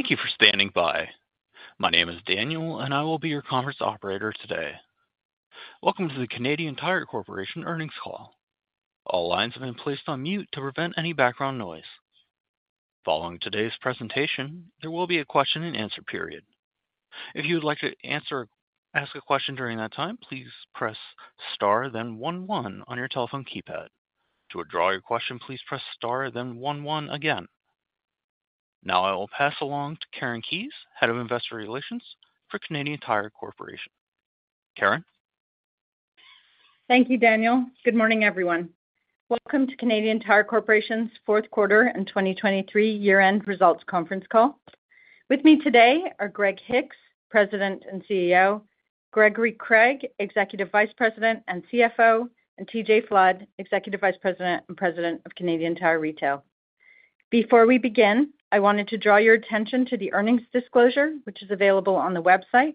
Thank you for standing by. My name is Daniel, and I will be your conference operator today. Welcome to the Canadian Tire Corporation earnings call. All lines have been placed on mute to prevent any background noise. Following today's presentation, there will be a question-and-answer period. If you would like to answer a question during that time, please press star, then one one on your telephone keypad. To withdraw your question, please press star, then one one again. Now I will pass along to Karen Keyes, Head of Investor Relations for Canadian Tire Corporation. Karen? Thank you, Daniel. Good morning, everyone. Welcome to Canadian Tire Corporation's Fourth Quarter and 2023 Year End Results Conference Call. With me today are Greg Hicks, President and CEO, Gregory Craig, Executive Vice President and CFO, and TJ Flood, Executive Vice President and President of Canadian Tire Retail. Before we begin, I wanted to draw your attention to the earnings disclosure, which is available on the website.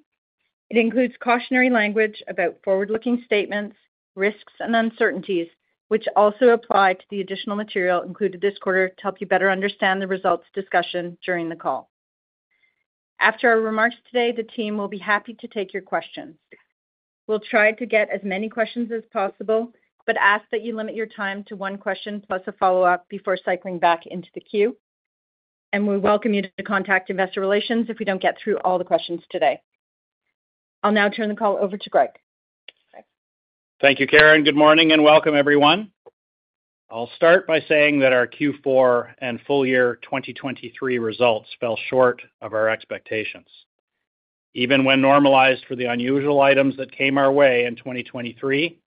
It includes cautionary language about forward-looking statements, risks, and uncertainties, which also apply to the additional material included this quarter to help you better understand the results discussion during the call. After our remarks today, the team will be happy to take your questions. We'll try to get as many questions as possible, but ask that you limit your time to one question plus a follow-up before cycling back into the queue. We welcome you to contact Investor Relations if we don't get through all the questions today. I'll now turn the call over to Greg. Thank you, Karen. Good morning and welcome, everyone. I'll start by saying that our Q4 and full year 2023 results fell short of our expectations. Even when normalized for the unusual items that came our way in 2023,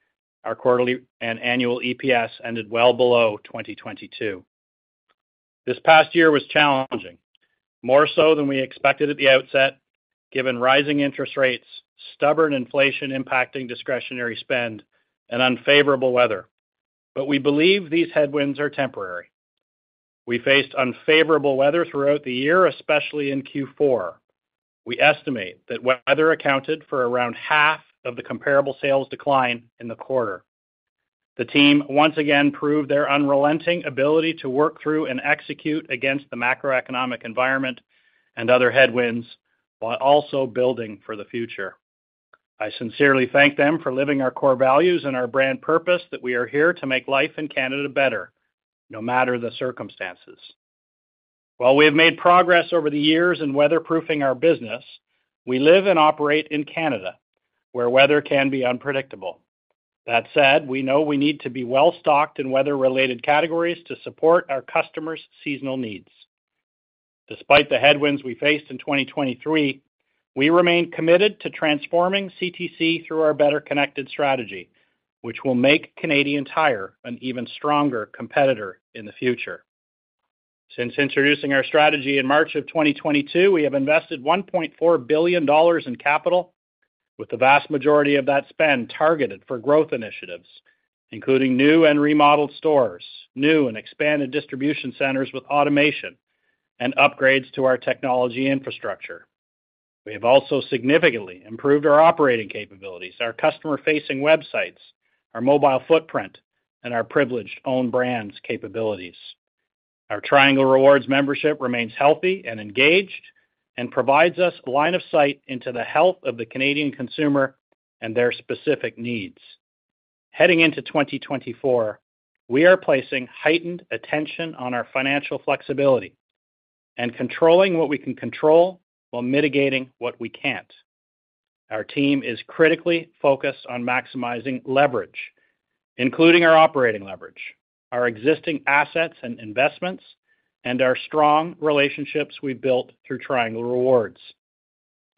our quarterly and annual EPS ended well below 2022. This past year was challenging, more so than we expected at the outset, given rising interest rates, stubborn inflation impacting discretionary spend, and unfavorable weather. But we believe these headwinds are temporary. We faced unfavorable weather throughout the year, especially in Q4. We estimate that weather accounted for around half of the comparable sales decline in the quarter. The team once again proved their unrelenting ability to work through and execute against the macroeconomic environment and other headwinds while also building for the future. I sincerely thank them for living our core values and our brand purpose that we are here to make life in Canada better, no matter the circumstances. While we have made progress over the years in weatherproofing our business, we live and operate in Canada, where weather can be unpredictable. That said, we know we need to be well-stocked in weather-related categories to support our customers' seasonal needs. Despite the headwinds we faced in 2023, we remain committed to transforming CTC through our Better Connected Strategy, which will make Canadian Tire an even stronger competitor in the future. Since introducing our strategy in March of 2022, we have invested 1.4 billion dollars in capital, with the vast majority of that spend targeted for growth initiatives, including new and remodeled stores, new and expanded distribution centers with automation, and upgrades to our technology infrastructure. We have also significantly improved our operating capabilities, our customer-facing websites, our mobile footprint, and our privileged own brands capabilities. Our Triangle Rewards membership remains healthy and engaged and provides us a line of sight into the health of the Canadian consumer and their specific needs. Heading into 2024, we are placing heightened attention on our financial flexibility and controlling what we can control while mitigating what we can't. Our team is critically focused on maximizing leverage, including our operating leverage, our existing assets and investments, and our strong relationships we've built through Triangle Rewards.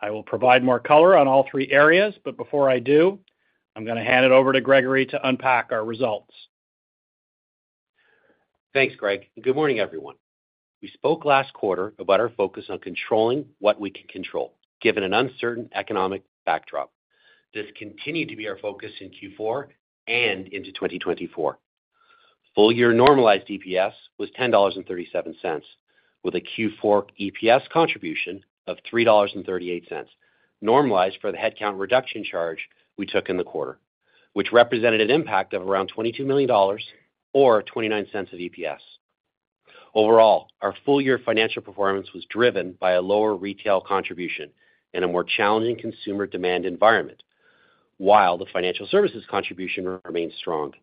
I will provide more color on all three areas, but before I do, I'm going to hand it over to Gregory to unpack our results. Thanks, Greg. Good morning, everyone. We spoke last quarter about our focus on controlling what we can control, given an uncertain economic backdrop. This continued to be our focus in Q4 and into 2024. Full year normalized EPS was 10.37 dollars, with a Q4 EPS contribution of 3.38 dollars normalized for the headcount reduction charge we took in the quarter, which represented an impact of around 22 million dollars or 0.29 of EPS. Overall, our full year financial performance was driven by a lower retail contribution in a more challenging consumer demand environment, while the Financial Services contribution remained strong.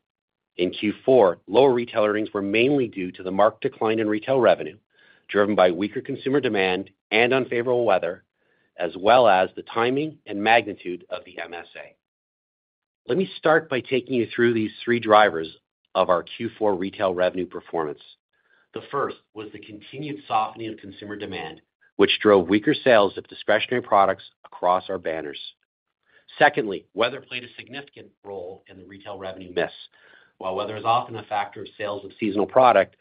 In Q4, lower retail earnings were mainly due to the marked decline in retail revenue driven by weaker consumer demand and unfavorable weather, as well as the timing and magnitude of the MSA. Let me start by taking you through these three drivers of our Q4 retail revenue performance. The first was the continued softening of consumer demand, which drove weaker sales of discretionary products across our banners. Secondly, weather played a significant role in the retail revenue miss. While weather is often a factor of sales of seasonal product,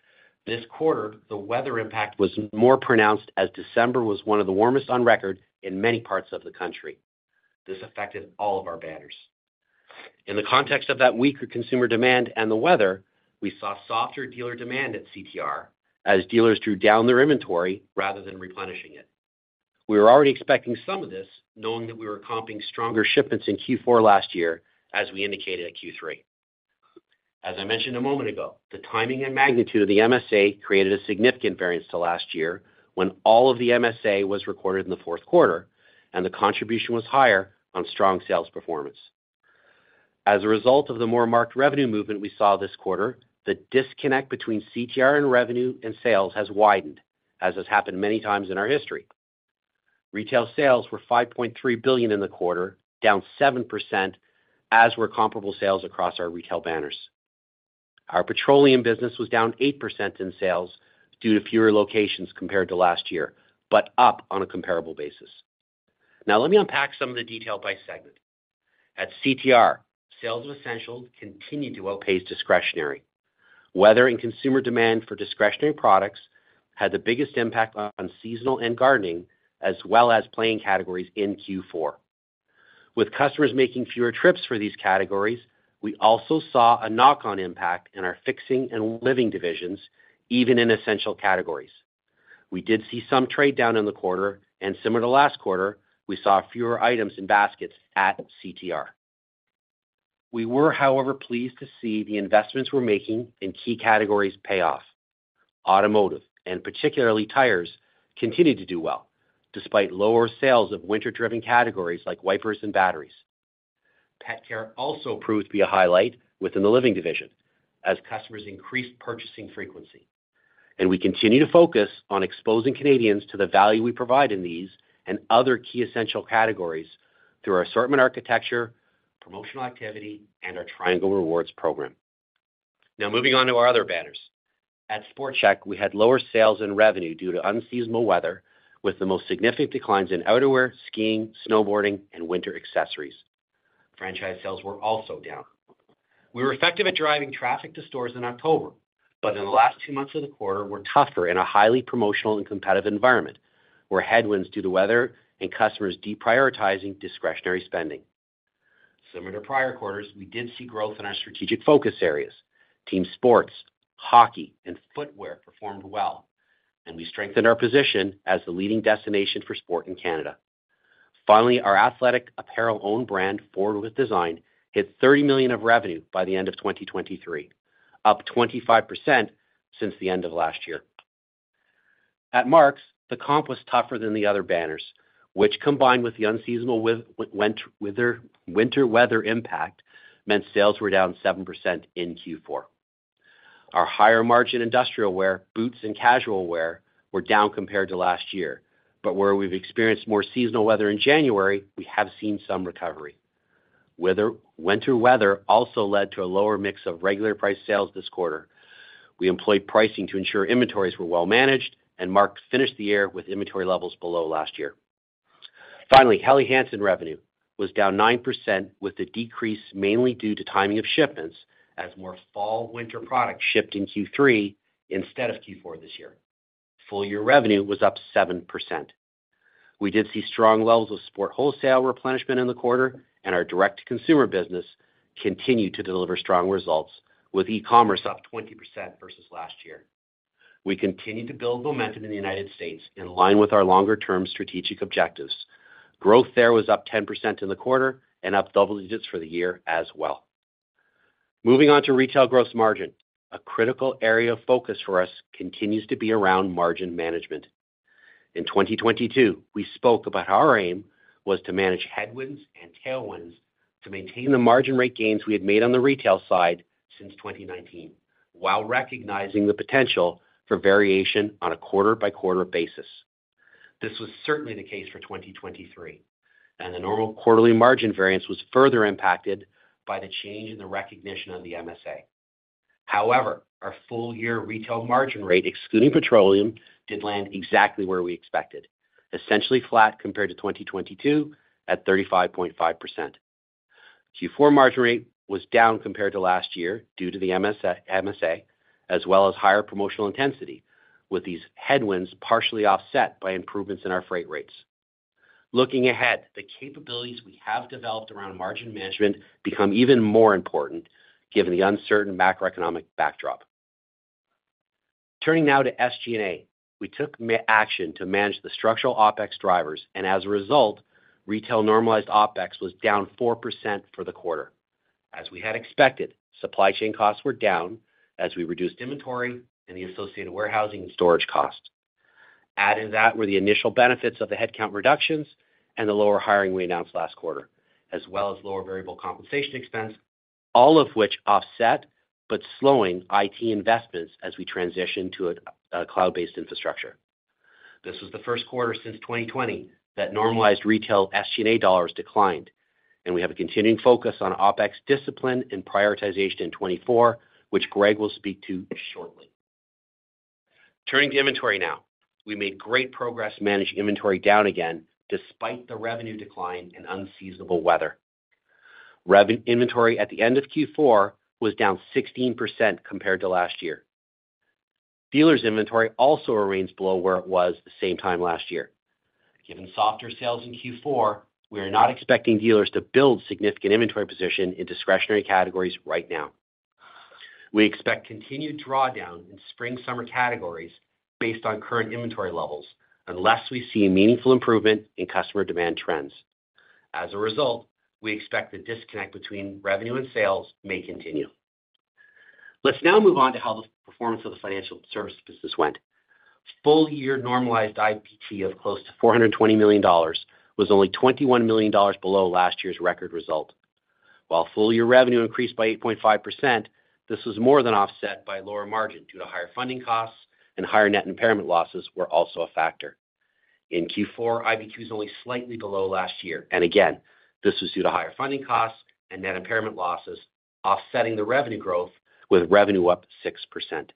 this quarter the weather impact was more pronounced as December was one of the warmest on record in many parts of the country. This affected all of our banners. In the context of that weaker consumer demand and the weather, we saw softer dealer demand at CTR as dealers drew down their inventory rather than replenishing it. We were already expecting some of this, knowing that we were comping stronger shipments in Q4 last year, as we indicated at Q3. As I mentioned a moment ago, the timing and magnitude of the MSA created a significant variance to last year when all of the MSA was recorded in the fourth quarter, and the contribution was higher on strong sales performance. As a result of the more marked revenue movement we saw this quarter, the disconnect between CTR and revenue and sales has widened, as has happened many times in our history. Retail sales were 5.3 billion in the quarter, down 7%, as were comparable sales across our retail banners. Our Petroleum business was down 8% in sales due to fewer locations compared to last year, but up on a comparable basis. Now let me unpack some of the detail by segment. At CTR, sales of essentials continued to outpace discretionary. Weather and consumer demand for discretionary products had the biggest impact on Seasonal & Gardening, as well as Playing categories in Q4. With customers making fewer trips for these categories, we also saw a knock-on impact in our Fixing and Living divisions, even in essential categories. We did see some trade down in the quarter, and similar to last quarter, we saw fewer items and baskets at CTR. We were, however, pleased to see the investments we're making in key categories pay off. Automotive, and particularly tires, continued to do well, despite lower sales of winter-driven categories like wipers and batteries. Pet care also proved to be a highlight within the Living division, as customers increased purchasing frequency. And we continue to focus on exposing Canadians to the value we provide in these and other key essential categories through our assortment architecture, promotional activity, and our Triangle Rewards program. Now moving on to our other banners. At Sport Chek, we had lower sales and revenue due to unseasonal weather, with the most significant declines in outerwear, skiing, snowboarding, and winter accessories. Franchise sales were also down. We were effective at driving traffic to stores in October, but in the last two months of the quarter were tougher in a highly promotional and competitive environment, where headwinds due to weather and customers deprioritizing discretionary spending. Similar to prior quarters, we did see growth in our strategic focus areas. Team sports, hockey, and footwear performed well, and we strengthened our position as the leading destination for sport in Canada. Finally, our athletic apparel-owned brand Forward With Design hit 30 million of revenue by the end of 2023, up 25% since the end of last year. At Mark's, the comp was tougher than the other banners, which, combined with the unseasonal winter weather impact, meant sales were down 7% in Q4. Our higher-margin industrial wear, boots, and casual wear were down compared to last year, but where we've experienced more seasonal weather in January, we have seen some recovery. Winter weather also led to a lower mix of regular-priced sales this quarter. We employed pricing to ensure inventories were well managed, and Mark's finished the year with inventory levels below last year. Finally, Helly Hansen revenue was down 9% with the decrease mainly due to timing of shipments, as more fall/winter products shipped in Q3 instead of Q4 this year. Full year revenue was up 7%. We did see strong levels of sport wholesale replenishment in the quarter, and our direct-to-consumer business continued to deliver strong results, with e-commerce up 20% versus last year. We continue to build momentum in the United States in line with our longer-term strategic objectives. Growth there was up 10% in the quarter and up double digits for the year as well. Moving on to retail gross margin, a critical area of focus for us continues to be around margin management. In 2022, we spoke about how our aim was to manage headwinds and tailwinds to maintain the margin rate gains we had made on the retail side since 2019, while recognizing the potential for variation on a quarter-by-quarter basis. This was certainly the case for 2023, and the normal quarterly margin variance was further impacted by the change in the recognition of the MSA. However, our full year retail margin rate, excluding petroleum, did land exactly where we expected, essentially flat compared to 2022 at 35.5%. Q4 margin rate was down compared to last year due to the MSA, as well as higher promotional intensity, with these headwinds partially offset by improvements in our freight rates. Looking ahead, the capabilities we have developed around margin management become even more important, given the uncertain macroeconomic backdrop. Turning now to SG&A, we took action to manage the structural OpEx drivers, and as a result, retail normalized OpEx was down 4% for the quarter. As we had expected, supply chain costs were down as we reduced inventory and the associated warehousing and storage costs. Added to that were the initial benefits of the headcount reductions and the lower hiring we announced last quarter, as well as lower variable compensation expense, all of which offset but slowed IT investments as we transitioned to a cloud-based infrastructure. This was the first quarter since 2020 that normalized retail SG&A dollars declined, and we have a continuing focus on OpEx discipline and prioritization in 2024, which Greg will speak to shortly. Turning to inventory now, we made great progress managing inventory down again despite the revenue decline and unseasonable weather. Inventory at the end of Q4 was down 16% compared to last year. Dealers' inventory also remains below where it was the same time last year. Given softer sales in Q4, we are not expecting dealers to build significant inventory position in discretionary categories right now. We expect continued drawdown in spring/summer categories based on current inventory levels unless we see meaningful improvement in customer demand trends. As a result, we expect the disconnect between revenue and sales may continue. Let's now move on to how the performance of the Financial Services business went. Full year normalized IBT of close to 420 million dollars was only 21 million dollars below last year's record result. While full year revenue increased by 8.5%, this was more than offset by lower margin due to higher funding costs, and higher net impairment losses were also a factor. In Q4, IBT was only slightly below last year, and again, this was due to higher funding costs and net impairment losses offsetting the revenue growth, with revenue up 6%.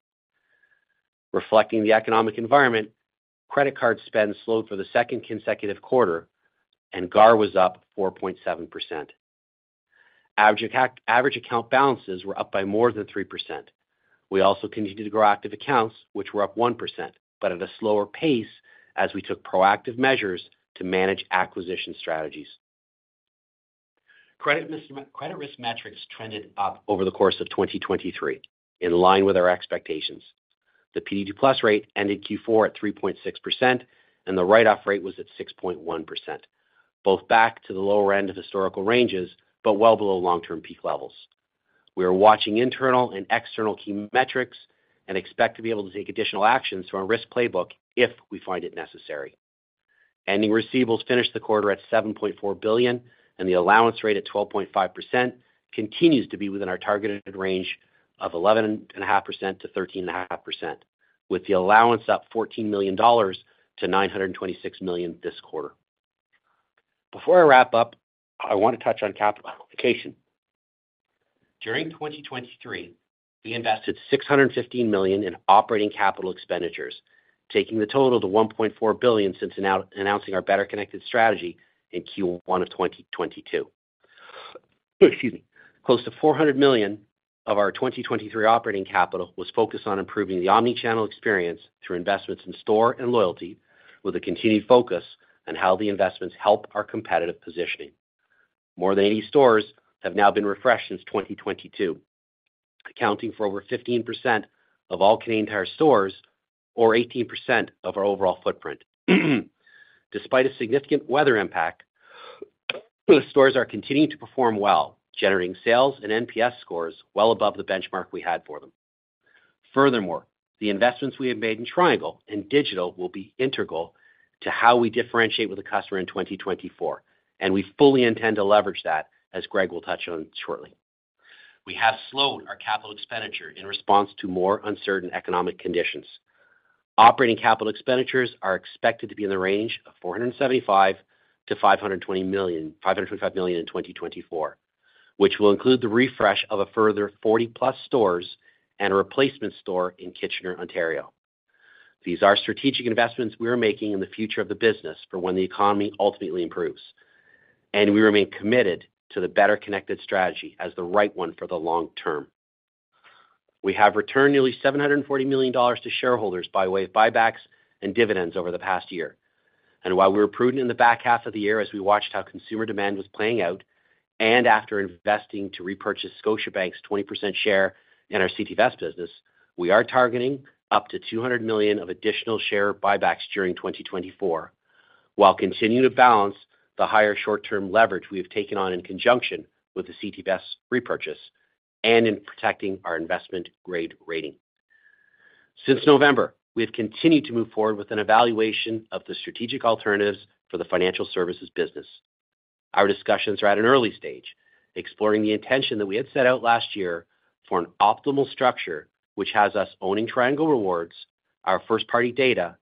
Reflecting the economic environment, credit card spend slowed for the second consecutive quarter, and GAAR was up 4.7%. Average account balances were up by more than 3%. We also continued to grow active accounts, which were up 1%, but at a slower pace as we took proactive measures to manage acquisition strategies. Credit risk metrics trended up over the course of 2023 in line with our expectations. The PD2+ rate ended Q4 at 3.6%, and the write-off rate was at 6.1%, both back to the lower end of historical ranges but well below long-term peak levels. We are watching internal and external key metrics and expect to be able to take additional actions through our risk playbook if we find it necessary. Ending receivables finished the quarter at 7.4 billion, and the allowance rate at 12.5% continues to be within our targeted range of 11.5%-13.5%, with the allowance up 14 million dollars to 926 million this quarter. Before I wrap up, I want to touch on capital allocation. During 2023, we invested 615 million in operating capital expenditures, taking the total to 1.4 billion since announcing our Better Connected Strategy in Q1 of 2022. Close to 400 million of our 2023 operating capital was focused on improving the omnichannel experience through investments in store and loyalty, with a continued focus on how the investments help our competitive positioning. More than 80 stores have now been refreshed since 2022, accounting for over 15% of all Canadian Tire stores or 18% of our overall footprint. Despite a significant weather impact, the stores are continuing to perform well, generating sales and NPS scores well above the benchmark we had for them. Furthermore, the investments we have made in Triangle and digital will be integral to how we differentiate with the customer in 2024, and we fully intend to leverage that, as Greg will touch on shortly. We have slowed our capital expenditure in response to more uncertain economic conditions. Operating capital expenditures are expected to be in the range of 475 million-525 million in 2024, which will include the refresh of further 40+ stores and a replacement store in Kitchener, Ontario. These are strategic investments we are making in the future of the business for when the economy ultimately improves, and we remain committed to the Better Connected Strategy as the right one for the long term. We have returned nearly 740 million dollars to shareholders by way of buybacks and dividends over the past year. While we were prudent in the back half of the year as we watched how consumer demand was playing out and after investing to repurchase Scotiabank's 20% share in our Canadian Tire Bank business, we are targeting up to 200 million of additional share buybacks during 2024, while continuing to balance the higher short-term leverage we have taken on in conjunction with the Canadian Tire Bank repurchase and in protecting our investment-grade rating. Since November, we have continued to move forward with an evaluation of the strategic alternatives for the Financial Services business. Our discussions are at an early stage, exploring the intention that we had set out last year for an optimal structure, which has us owning Triangle Rewards, our first-party data,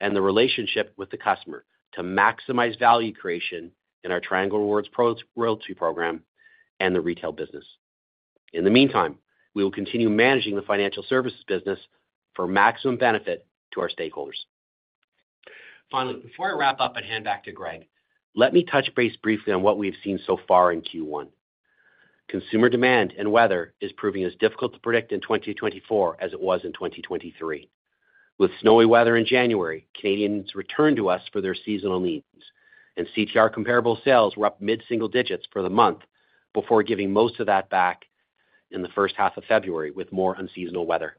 and the relationship with the customer to maximize value creation in our Triangle Rewards loyalty program and the retail business. In the meantime, we will continue managing the Financial Services business for maximum benefit to our stakeholders. Finally, before I wrap up and hand back to Greg, let me touch base briefly on what we have seen so far in Q1. Consumer demand and weather is proving as difficult to predict in 2024 as it was in 2023. With snowy weather in January, Canadians returned to us for their seasonal needs, and CTR comparable sales were up mid-single digits for the month before giving most of that back in the first half of February with more unseasonal weather.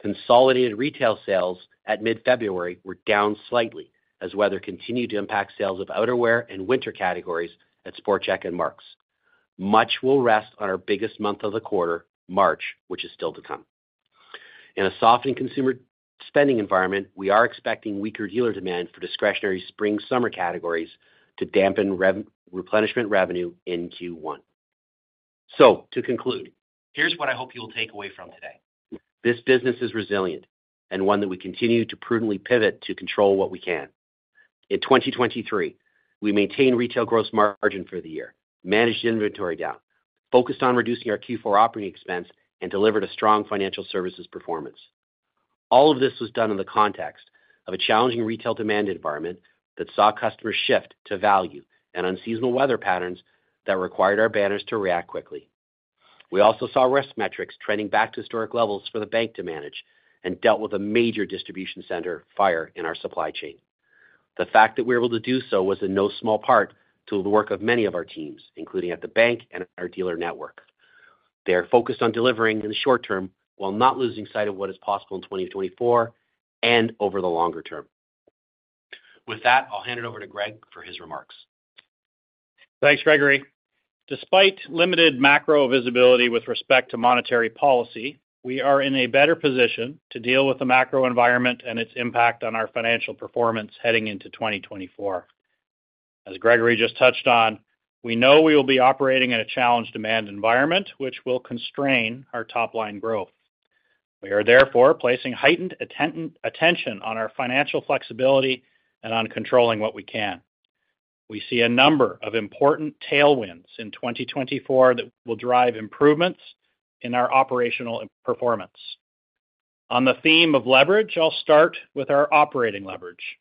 Consolidated retail sales at mid-February were down slightly as weather continued to impact sales of outerwear and winter categories at Sport Chek and Mark's. Much will rest on our biggest month of the quarter, March, which is still to come. In a softened consumer spending environment, we are expecting weaker dealer demand for discretionary spring/summer categories to dampen replenishment revenue in Q1. So, to conclude, here's what I hope you will take away from today: this business is resilient and one that we continue to prudently pivot to control what we can. In 2023, we maintained retail gross margin for the year, managed inventory down, focused on reducing our Q4 operating expense, and delivered a strong Financial Services performance. All of this was done in the context of a challenging retail demand environment that saw customers shift to value and unseasonal weather patterns that required our banners to react quickly. We also saw risk metrics trending back to historic levels for the bank to manage and dealt with a major distribution center fire in our supply chain. The fact that we were able to do so was in no small part due to the work of many of our teams, including at the bank and our dealer network. They are focused on delivering in the short term while not losing sight of what is possible in 2024 and over the longer term. With that, I'll hand it over to Greg for his remarks. Thanks, Gregory. Despite limited macro visibility with respect to monetary policy, we are in a better position to deal with the macro environment and its impact on our financial performance heading into 2024. As Gregory just touched on, we know we will be operating in a challenged demand environment, which will constrain our top-line growth. We are, therefore, placing heightened attention on our financial flexibility and on controlling what we can. We see a number of important tailwinds in 2024 that will drive improvements in our operational performance. On the theme of leverage, I'll start with our operating leverage.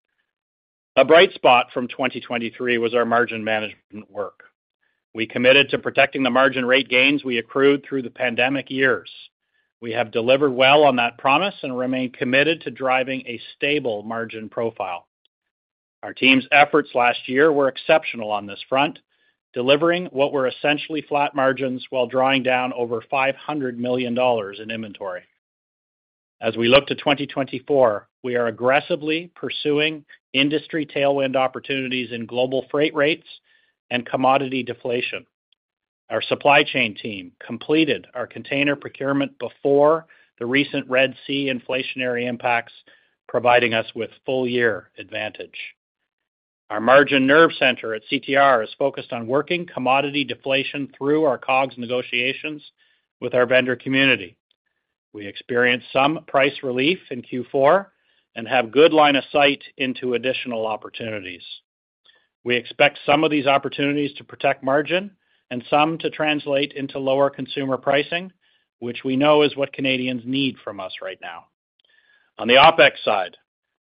A bright spot from 2023 was our margin management work. We committed to protecting the margin rate gains we accrued through the pandemic years. We have delivered well on that promise and remain committed to driving a stable margin profile. Our team's efforts last year were exceptional on this front, delivering what were essentially flat margins while drawing down over 500 million dollars in inventory. As we look to 2024, we are aggressively pursuing industry tailwind opportunities in global freight rates and commodity deflation. Our supply chain team completed our container procurement before the recent Red Sea inflationary impacts, providing us with full-year advantage. Our margin nerve center at CTR is focused on working commodity deflation through our COGS negotiations with our vendor community. We experienced some price relief in Q4 and have a good line of sight into additional opportunities. We expect some of these opportunities to protect margin and some to translate into lower consumer pricing, which we know is what Canadians need from us right now. On the OpEx side,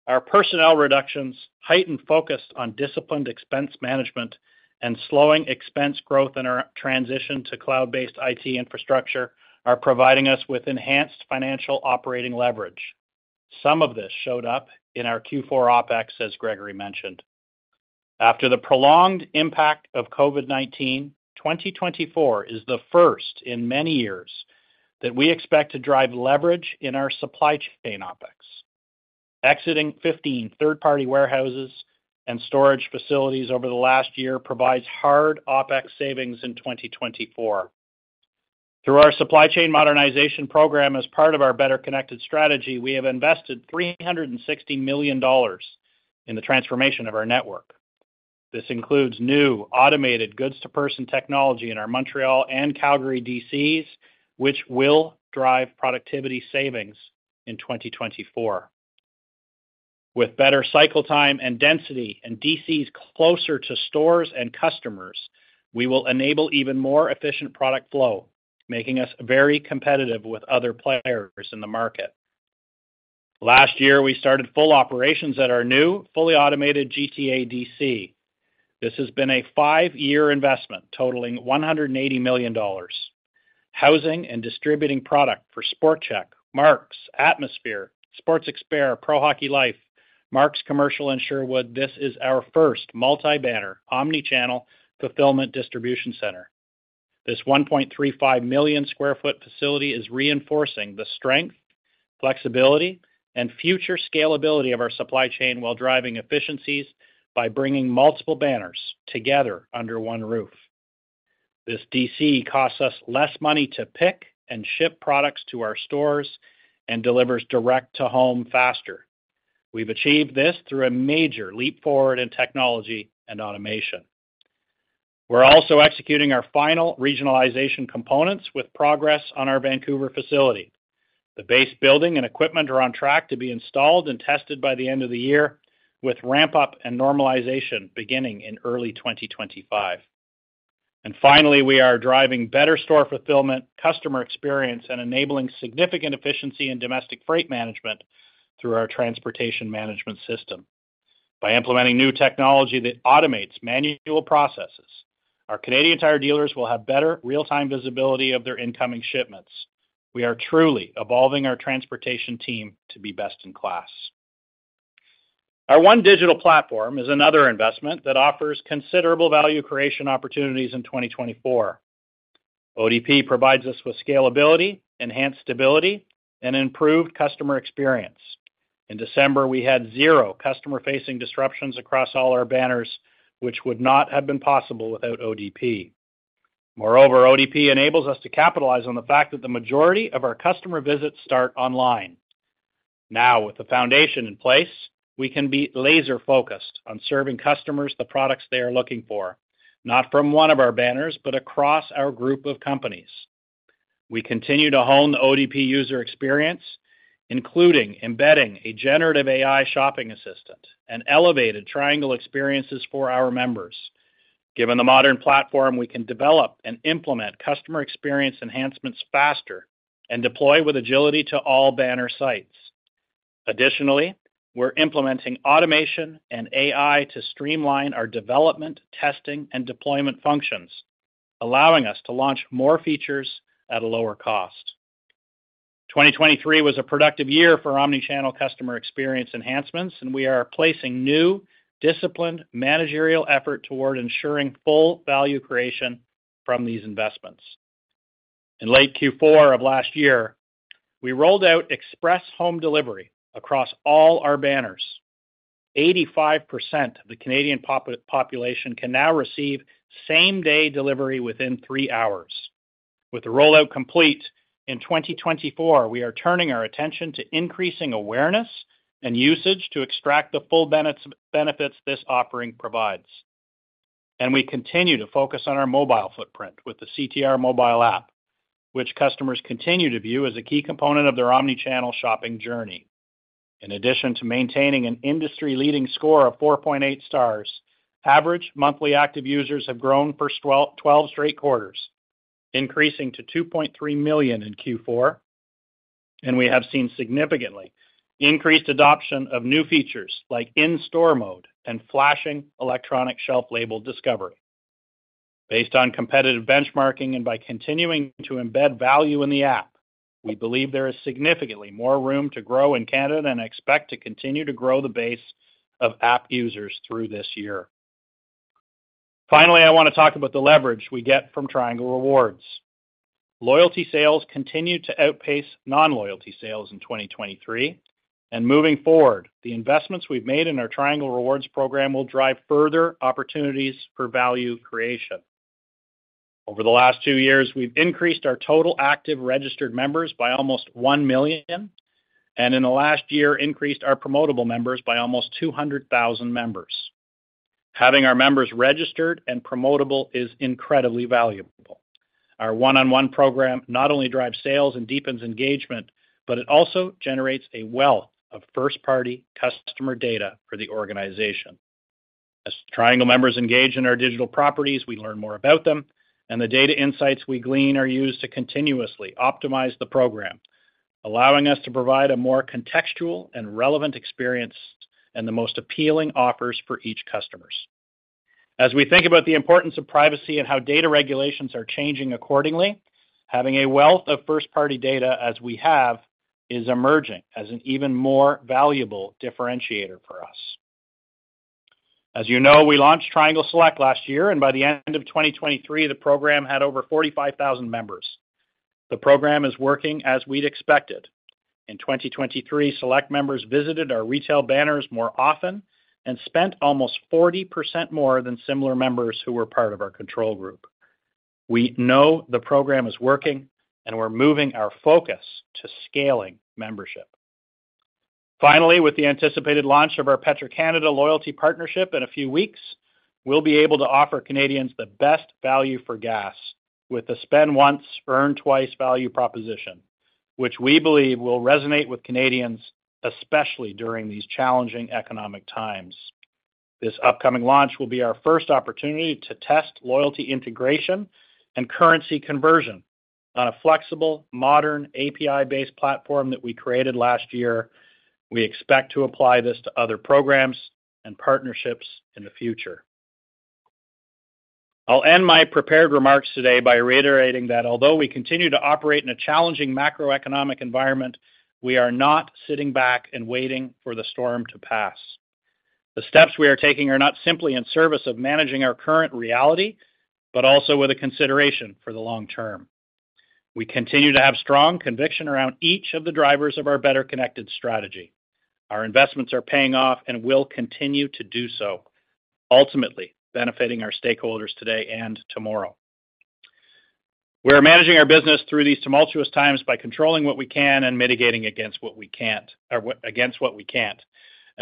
our personnel reductions, heightened focus on disciplined expense management, and slowing expense growth in our transition to cloud-based IT infrastructure are providing us with enhanced financial operating leverage. Some of this showed up in our Q4 OpEx, as Gregory mentioned. After the prolonged impact of COVID-19, 2024 is the first in many years that we expect to drive leverage in our supply chain OpEx. Exiting 15 third-party warehouses and storage facilities over the last year provides hard OpEx savings in 2024. Through our supply chain modernization program, as part of our Better Connected Strategy, we have invested 360 million dollars in the transformation of our network. This includes new automated goods-to-person technology in our Montreal and Calgary DCs, which will drive productivity savings in 2024. With better cycle time and density and DCs closer to stores and customers, we will enable even more efficient product flow, making us very competitive with other players in the market. Last year, we started full operations at our new, fully automated GTA DC. This has been a five-year investment totaling 180 million dollars. Housing and distributing product for Sport Chek, Mark's, Atmosphere, Sports Experts, Pro Hockey Life, Mark's Commercial, and Sherwood, this is our first multi-banner, omnichannel fulfillment distribution center. This 1.35 million sq ft facility is reinforcing the strength, flexibility, and future scalability of our supply chain while driving efficiencies by bringing multiple banners together under one roof. This DC costs us less money to pick and ship products to our stores and delivers direct-to-home faster. We've achieved this through a major leap forward in technology and automation. We're also executing our final regionalization components with progress on our Vancouver facility. The base building and equipment are on track to be installed and tested by the end of the year, with ramp-up and normalization beginning in early 2025. And finally, we are driving better store fulfillment, customer experience, and enabling significant efficiency in domestic freight management through our transportation management system. By implementing new technology that automates manual processes, our Canadian Tire dealers will have better real-time visibility of their incoming shipments. We are truly evolving our transportation team to be best in class. Our One Digital Platform is another investment that offers considerable value creation opportunities in 2024. ODP provides us with scalability, enhanced stability, and improved customer experience. In December, we had zero customer-facing disruptions across all our banners, which would not have been possible without ODP. Moreover, ODP enables us to capitalize on the fact that the majority of our customer visits start online. Now, with the foundation in place, we can be laser-focused on serving customers the products they are looking for, not from one of our banners, but across our group of companies. We continue to hone the ODP user experience, including embedding a generative AI shopping assistant and elevated Triangle experiences for our members. Given the modern platform, we can develop and implement customer experience enhancements faster and deploy with agility to all banner sites. Additionally, we're implementing automation and AI to streamline our development, testing, and deployment functions, allowing us to launch more features at a lower cost. 2023 was a productive year for omnichannel customer experience enhancements, and we are placing new disciplined managerial effort toward ensuring full value creation from these investments. In late Q4 of last year, we rolled out express home delivery across all our banners. 85% of the Canadian population can now receive same-day delivery within three hours. With the rollout complete in 2024, we are turning our attention to increasing awareness and usage to extract the full benefits this offering provides. We continue to focus on our mobile footprint with the CTR mobile app, which customers continue to view as a key component of their omnichannel shopping journey. In addition to maintaining an industry-leading score of 4.8 stars, average monthly active users have grown for 12 straight quarters, increasing to 2.3 million in Q4. We have seen significantly increased adoption of new features like in-store mode and flashing electronic shelf label discovery. Based on competitive benchmarking and by continuing to embed value in the app, we believe there is significantly more room to grow in Canada and expect to continue to grow the base of app users through this year. Finally, I want to talk about the leverage we get from Triangle Rewards. Loyalty sales continue to outpace non-loyalty sales in 2023. Moving forward, the investments we've made in our Triangle Rewards program will drive further opportunities for value creation. Over the last two years, we've increased our total active registered members by almost one million and in the last year increased our promotable members by almost 200,000 members. Having our members registered and promotable is incredibly valuable. Our one-on-one program not only drives sales and deepens engagement, but it also generates a wealth of first-party customer data for the organization. As Triangle members engage in our digital properties, we learn more about them, and the data insights we glean are used to continuously optimize the program, allowing us to provide a more contextual and relevant experience and the most appealing offers for each customer. As we think about the importance of privacy and how data regulations are changing accordingly, having a wealth of first-party data as we have is emerging as an even more valuable differentiator for us. As you know, we launched Triangle Select last year, and by the end of 2023, the program had over 45,000 members. The program is working as we'd expected. In 2023, Select members visited our retail banners more often and spent almost 40% more than similar members who were part of our control group. We know the program is working, and we're moving our focus to scaling membership. Finally, with the anticipated launch of our Petro-Canada loyalty partnership in a few weeks, we'll be able to offer Canadians the best value for gas with the spend-once, earn-twice value proposition, which we believe will resonate with Canadians especially during these challenging economic times. This upcoming launch will be our first opportunity to test loyalty integration and currency conversion on a flexible, modern API-based platform that we created last year. We expect to apply this to other programs and partnerships in the future. I'll end my prepared remarks today by reiterating that although we continue to operate in a challenging macroeconomic environment, we are not sitting back and waiting for the storm to pass. The steps we are taking are not simply in service of managing our current reality, but also with a consideration for the long term. We continue to have strong conviction around each of the drivers of our Better Connected Strategy. Our investments are paying off and will continue to do so, ultimately benefiting our stakeholders today and tomorrow. We're managing our business through these tumultuous times by controlling what we can and mitigating against what we can't, and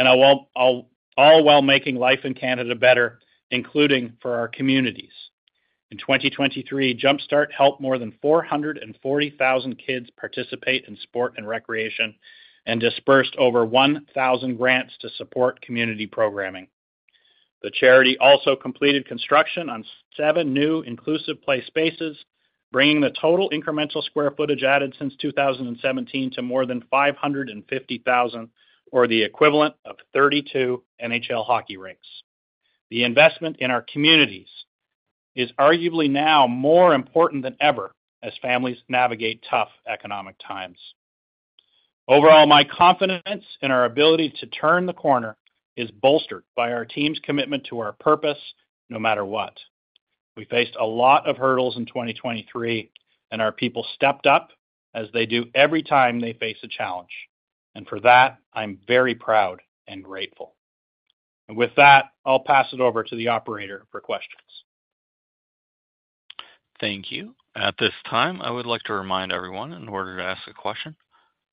all while making life in Canada better, including for our communities. In 2023, Jumpstart helped more than 440,000 kids participate in sport and recreation and dispersed over 1,000 grants to support community programming. The charity also completed construction on seven new inclusive play spaces, bringing the total incremental square footage added since 2017 to more than 550,000, or the equivalent of 32 NHL hockey rinks. The investment in our communities is arguably now more important than ever as families navigate tough economic times. Overall, my confidence in our ability to turn the corner is bolstered by our team's commitment to our purpose no matter what. We faced a lot of hurdles in 2023, and our people stepped up as they do every time they face a challenge. And for that, I'm very proud and grateful. And with that, I'll pass it over to the operator for questions. Thank you. At this time, I would like to remind everyone, in order to ask a question,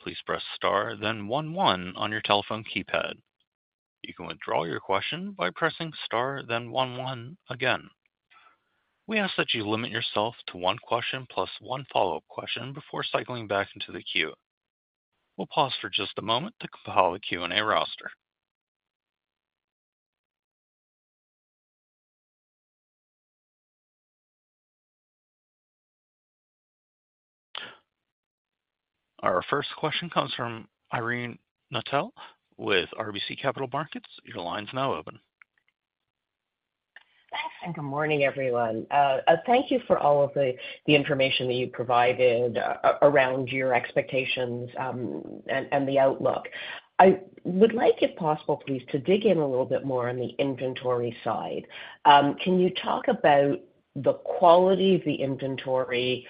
please press star, then one one on your telephone keypad. You can withdraw your question by pressing star, then one one again. We ask that you limit yourself to one question plus one follow-up question before cycling back into the queue. We'll pause for just a moment to compile the Q&A roster. Our first question comes from Irene Nattel with RBC Capital Markets. Your line's now open. Thanks, and good morning, everyone. Thank you for all of the information that you provided around your expectations and the outlook. I would like, if possible, please, to dig in a little bit more on the inventory side. Can you talk about the quality of the inventory,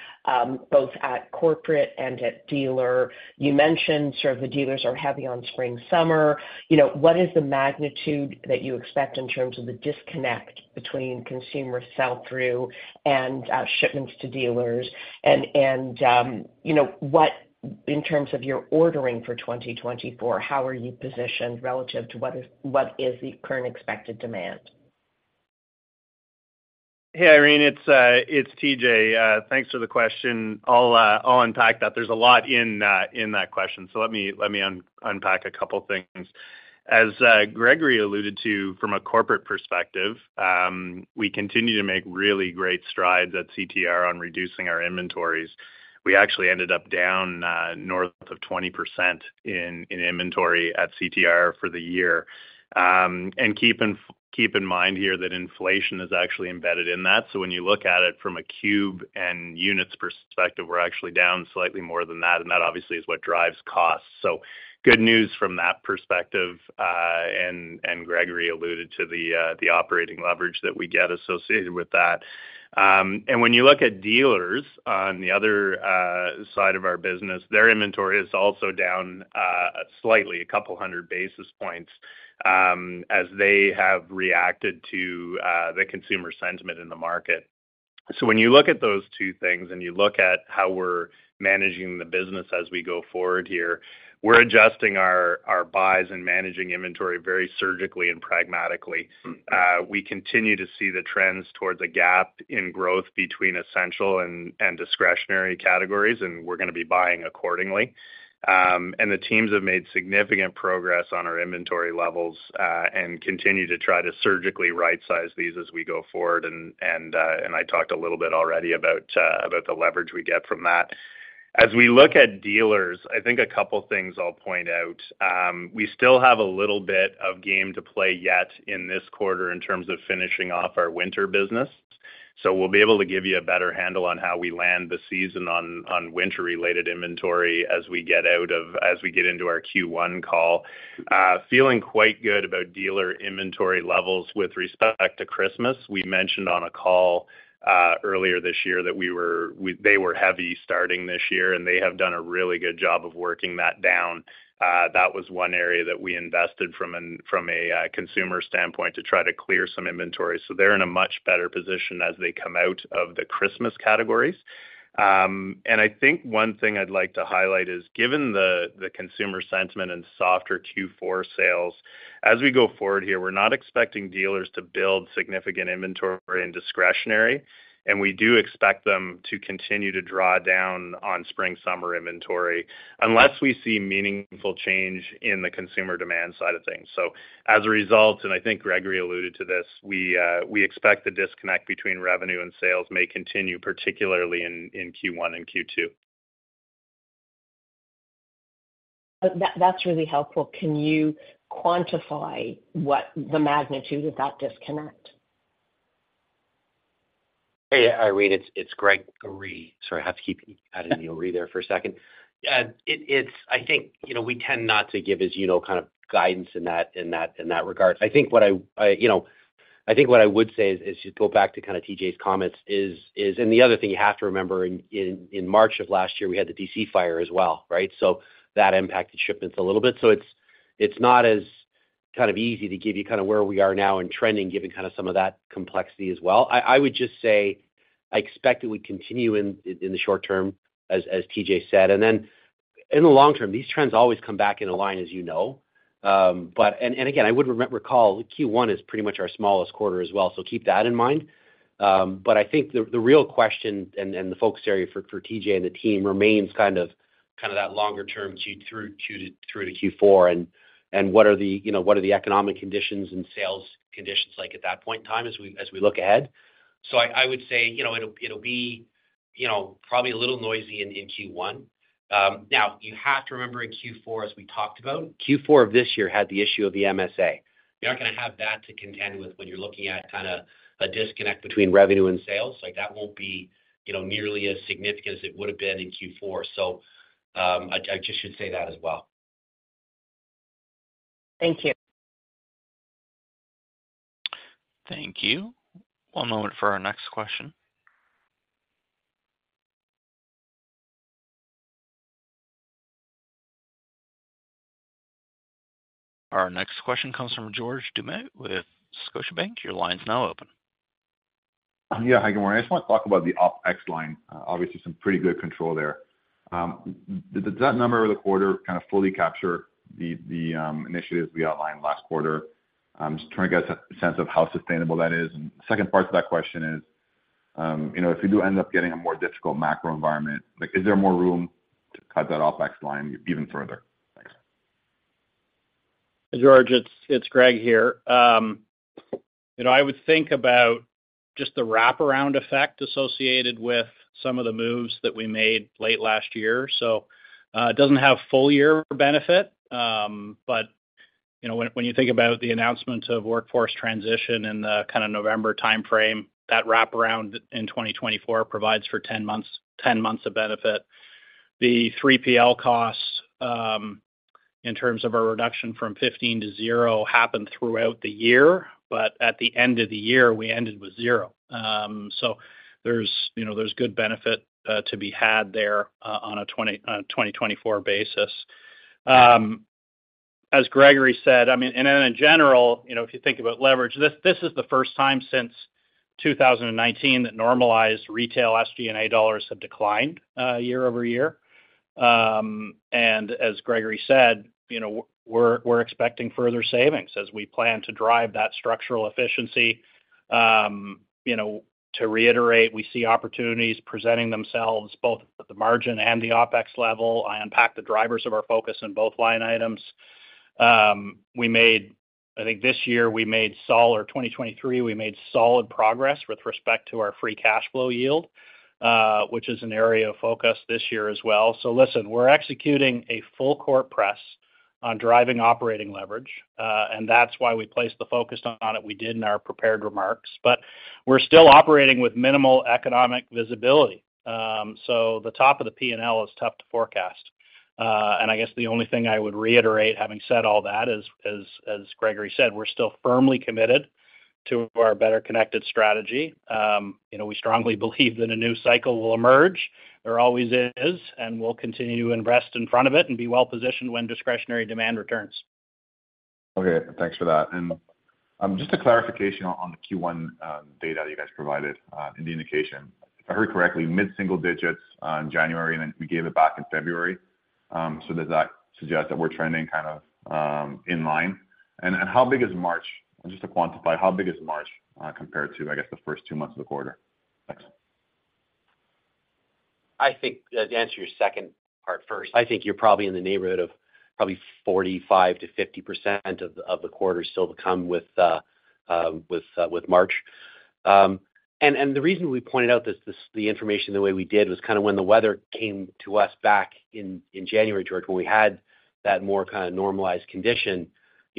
both at corporate and at dealer? You mentioned sort of the dealers are heavy on spring/summer. What is the magnitude that you expect in terms of the disconnect between consumer sell-through and shipments to dealers? And in terms of your ordering for 2024, how are you positioned relative to what is the current expected demand? Hey, Irene, it's TJ. Thanks for the question. I'll unpack that. There's a lot in that question, so let me unpack a couple of things. As Gregory alluded to, from a corporate perspective, we continue to make really great strides at CTR on reducing our inventories. We actually ended up down north of 20% in inventory at CTR for the year. And keep in mind here that inflation is actually embedded in that. So when you look at it from a cube and units perspective, we're actually down slightly more than that, and that obviously is what drives costs. So good news from that perspective. And Gregory alluded to the operating leverage that we get associated with that. And when you look at dealers on the other side of our business, their inventory is also down slightly, a couple hundred basis points, as they have reacted to the consumer sentiment in the market. So when you look at those two things and you look at how we're managing the business as we go forward here, we're adjusting our buys and managing inventory very surgically and pragmatically. We continue to see the trends towards a gap in growth between essential and discretionary categories, and we're going to be buying accordingly. The teams have made significant progress on our inventory levels and continue to try to surgically right-size these as we go forward. I talked a little bit already about the leverage we get from that. As we look at dealers, I think a couple of things I'll point out. We still have a little bit of game to play yet in this quarter in terms of finishing off our winter business. We'll be able to give you a better handle on how we land the season on winter-related inventory as we get into our Q1 call. Feeling quite good about dealer inventory levels with respect to Christmas. We mentioned on a call earlier this year that they were heavy starting this year, and they have done a really good job of working that down. That was one area that we invested from a consumer standpoint to try to clear some inventory. So they're in a much better position as they come out of the Christmas categories. And I think one thing I'd like to highlight is, given the consumer sentiment and softer Q4 sales, as we go forward here, we're not expecting dealers to build significant inventory in discretionary. And we do expect them to continue to draw down on spring/summer inventory unless we see meaningful change in the consumer demand side of things. So as a result, and I think Gregory alluded to this, we expect the disconnect between revenue and sales may continue, particularly in Q1 and Q2. That's really helpful. Can you quantify the magnitude of that disconnect? Hey, Irene, it's Gregory. Sorry, I have to keep adding the -ory there for a second. I think we tend not to give, as you know, kind of guidance in that regard. I think what I would say is just go back to kind of TJ's comments. And the other thing you have to remember, in March of last year, we had the DC fire as well, right? So that impacted shipments a little bit. So it's not as kind of easy to give you kind of where we are now and trending, given kind of some of that complexity as well. I would just say I expect it would continue in the short term, as TJ said. And then in the long term, these trends always come back in a line, as you know. But again, I would recall Q1 is pretty much our smallest quarter as well, so keep that in mind. But I think the real question and the focus area for TJ and the team remains kind of that longer-term through to Q4 and what are the economic conditions and sales conditions like at that point in time as we look ahead. So I would say it'll be probably a little noisy in Q1. Now, you have to remember in Q4, as we talked about, Q4 of this year had the issue of the MSA. You're not going to have that to contend with when you're looking at kind of a disconnect between revenue and sales. That won't be nearly as significant as it would have been in Q4. So I just should say that as well. Thank you. Thank you. One moment for our next question. Our next question comes from George Doumet with Scotiabank. Your line's now open. Yeah, hi, good morning. I just want to talk about the OpEx line. Obviously, some pretty good control there. Does that number over the quarter kind of fully capture the initiatives we outlined last quarter? Just trying to get a sense of how sustainable that is. And the second part to that question is, if we do end up getting a more difficult macro environment, is there more room to cut that OpEx line even further? Thanks. George, it's Greg here. I would think about just the wraparound effect associated with some of the moves that we made late last year. So it doesn't have full-year benefit, but when you think about the announcement of workforce transition in the kind of November timeframe, that wraparound in 2024 provides for 10 months of benefit. The 3PL costs, in terms of our reduction from 15 to zero, happened throughout the year, but at the end of the year, we ended with zero. So there's good benefit to be had there on a 2024 basis. As Gregory said, I mean, and then in general, if you think about leverage, this is the first time since 2019 that normalized retail SG&A dollars have declined year-over-year. As Gregory said, we're expecting further savings as we plan to drive that structural efficiency. To reiterate, we see opportunities presenting themselves, both at the margin and the OpEx level. I unpacked the drivers of our focus in both line items. I think this year, we made solid or 2023, we made solid progress with respect to our free cash flow yield, which is an area of focus this year as well. So listen, we're executing a full-court press on driving operating leverage, and that's why we placed the focus on it we did in our prepared remarks. But we're still operating with minimal economic visibility. So the top of the P&L is tough to forecast. And I guess the only thing I would reiterate, having said all that, as Gregory said, we're still firmly committed to our Better Connected Strategy. We strongly believe that a new cycle will emerge. There always is, and we'll continue to invest in front of it and be well-positioned when discretionary demand returns. Okay. Thanks for that. And just a clarification on the Q1 data that you guys provided in the indication. If I heard correctly, mid-single digits in January, and then we gave it back in February. So does that suggest that we're trending kind of in line? And how big is March? Just to quantify, how big is March compared to, I guess, the first two months of the quarter? Thanks. I think to answer your second part first, I think you're probably in the neighborhood of probably 45%-50% of the quarter still to come with March. And the reason we pointed out the information the way we did was kind of when the weather came to us back in January, George, when we had that more kind of normalized condition,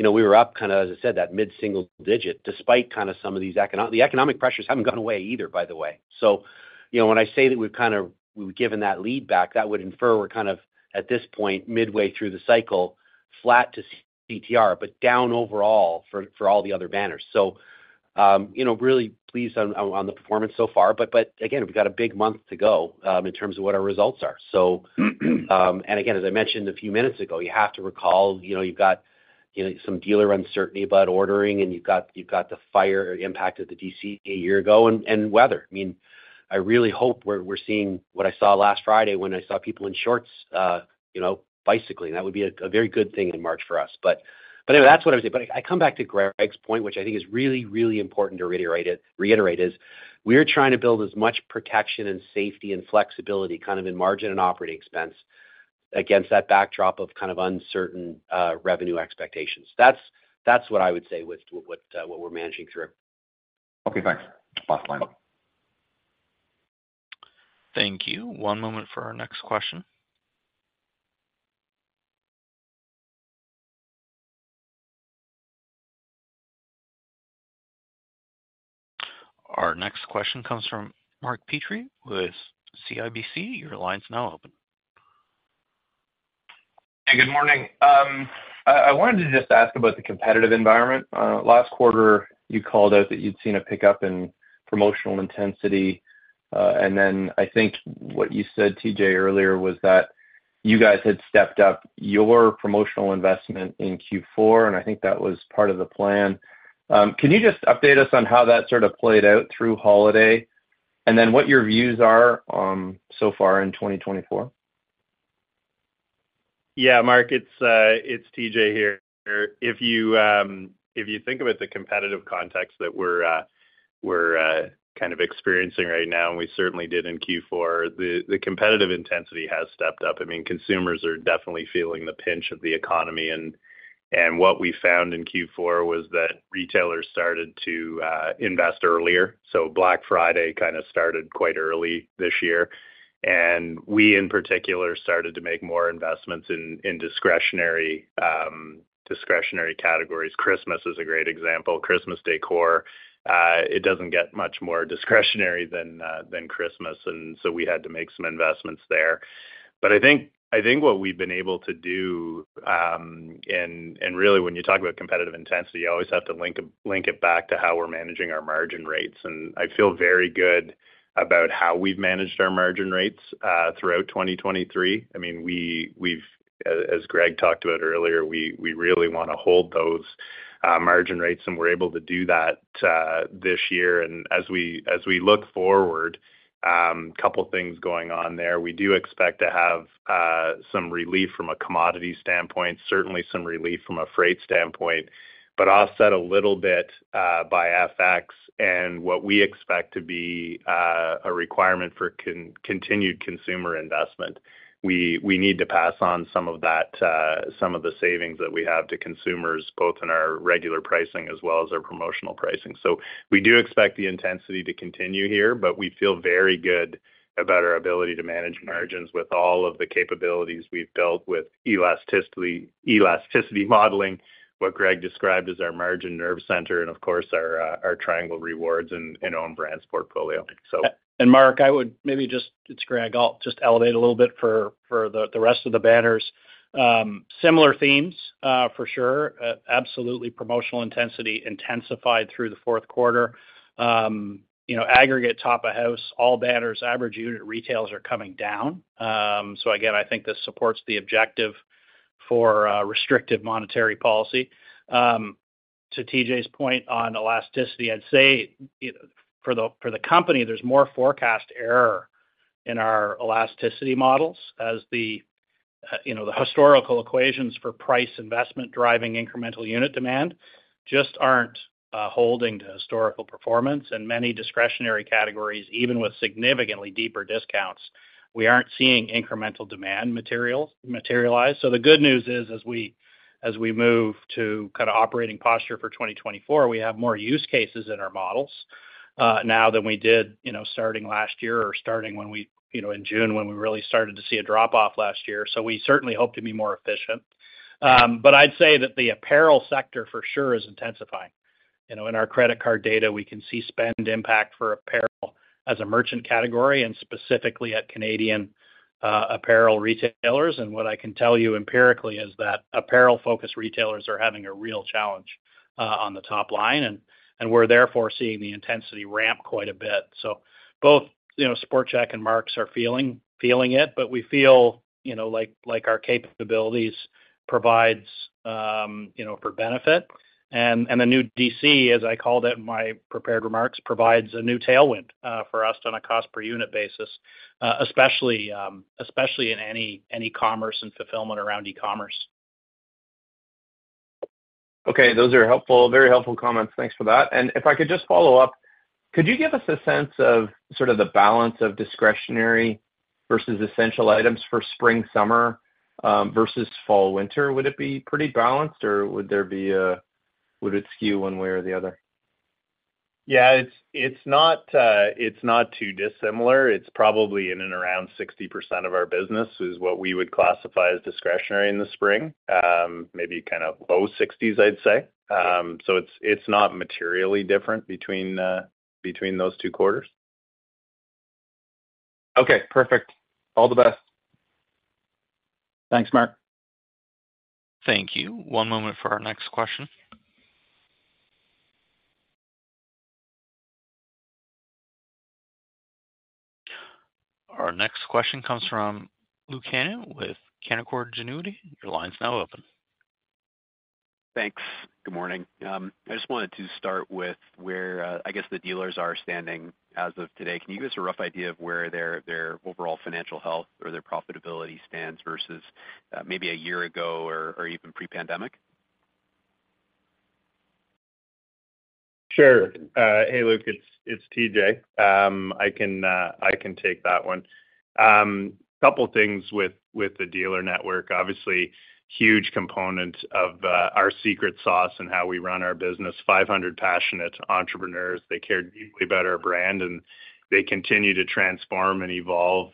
we were up kind of, as I said, that mid-single digit, despite kind of some of these the economic pressures haven't gone away either, by the way. So when I say that we've kind of given that lead back, that would infer we're kind of, at this point, midway through the cycle, flat to CTR, but down overall for all the other banners. So really, pleased on the performance so far. But again, we've got a big month to go in terms of what our results are. And again, as I mentioned a few minutes ago, you have to recall you've got some dealer uncertainty about ordering, and you've got the fire impact of the DC a year ago and weather. I mean, I really hope we're seeing what I saw last Friday when I saw people in shorts bicycling. That would be a very good thing in March for us. But anyway, that's what I was going to say. But I come back to Greg's point, which I think is really, really important to reiterate, is we're trying to build as much protection and safety and flexibility kind of in margin and operating expense against that backdrop of kind of uncertain revenue expectations. That's what I would say with what we're managing through. Okay. Thanks. Back to the line now. Thank you. One moment for our next question. Our next question comes from Mark Petrie with CIBC. Your line's now open. Hey, good morning. I wanted to just ask about the competitive environment. Last quarter, you called out that you'd seen a pickup in promotional intensity. And then I think what you said, TJ, earlier was that you guys had stepped up your promotional investment in Q4, and I think that was part of the plan. Can you just update us on how that sort of played out through holiday and then what your views are so far in 2024? Yeah, Mark, it's TJ here. If you think about the competitive context that we're kind of experiencing right now, and we certainly did in Q4, the competitive intensity has stepped up. I mean, consumers are definitely feeling the pinch of the economy. And what we found in Q4 was that retailers started to invest earlier. So Black Friday kind of started quite early this year. And we, in particular, started to make more investments in discretionary categories. Christmas is a great example. Christmas decor, it doesn't get much more discretionary than Christmas. And so we had to make some investments there. But I think what we've been able to do and really, when you talk about competitive intensity, you always have to link it back to how we're managing our margin rates. And I feel very good about how we've managed our margin rates throughout 2023. I mean, as Greg talked about earlier, we really want to hold those margin rates, and we're able to do that this year. And as we look forward, a couple of things going on there. We do expect to have some relief from a commodity standpoint, certainly some relief from a freight standpoint, but offset a little bit by FX and what we expect to be a requirement for continued consumer investment. We need to pass on some of that, some of the savings that we have to consumers, both in our regular pricing as well as our promotional pricing. So we do expect the intensity to continue here, but we feel very good about our ability to manage margins with all of the capabilities we've built with elasticity modeling, what Greg described as our margin nerve center, and of course, our Triangle Rewards and Owned Brands portfolio, so. And Mark, I would maybe just. It's Greg. I'll just elevate a little bit for the rest of the banners. Similar themes, for sure. Absolutely promotional intensity intensified through the fourth quarter. Aggregate top of house, all banners, average unit, retails are coming down. So again, I think this supports the objective for restrictive monetary policy. To TJ's point on elasticity, I'd say for the company, there's more forecast error in our elasticity models as the historical equations for price investment driving incremental unit demand just aren't holding to historical performance. And many discretionary categories, even with significantly deeper discounts, we aren't seeing incremental demand materialize. So the good news is, as we move to kind of operating posture for 2024, we have more use cases in our models now than we did starting last year or starting when we in June when we really started to see a drop-off last year. So we certainly hope to be more efficient. But I'd say that the apparel sector for sure is intensifying. In our credit card data, we can see spend impact for apparel as a merchant category and specifically at Canadian apparel retailers. What I can tell you empirically is that apparel-focused retailers are having a real challenge on the top line, and we're therefore seeing the intensity ramp quite a bit. Both Sport Chek and Mark's are feeling it, but we feel like our capabilities provide for benefit. The new DC, as I called it in my prepared remarks, provides a new tailwind for us on a cost-per-unit basis, especially in omni-commerce and fulfillment around e-commerce. Okay. Those are helpful, very helpful comments. Thanks for that. If I could just follow up, could you give us a sense of sort of the balance of discretionary versus essential items for spring, summer versus fall, winter? Would it be pretty balanced, or would it skew one way or the other? Yeah, it's not too dissimilar. It's probably in and around 60% of our business is what we would classify as discretionary in the spring, maybe kind of low 60s, I'd say. So it's not materially different between those two quarters. Okay. Perfect. All the best. Thanks, Mark. Thank you. One moment for our next question. Our next question comes from Luke Hannan with Canaccord Genuity. Your line's now open. Thanks. Good morning. I just wanted to start with where, I guess, the dealers are standing as of today. Can you give us a rough idea of where their overall financial health or their profitability stands versus maybe a year ago or even pre-pandemic? Sure. Hey, Luke, it's TJ. I can take that one. A couple of things with the dealer network. Obviously, huge component of our secret sauce and how we run our business, 500 passionate entrepreneurs. They care deeply about our brand, and they continue to transform and evolve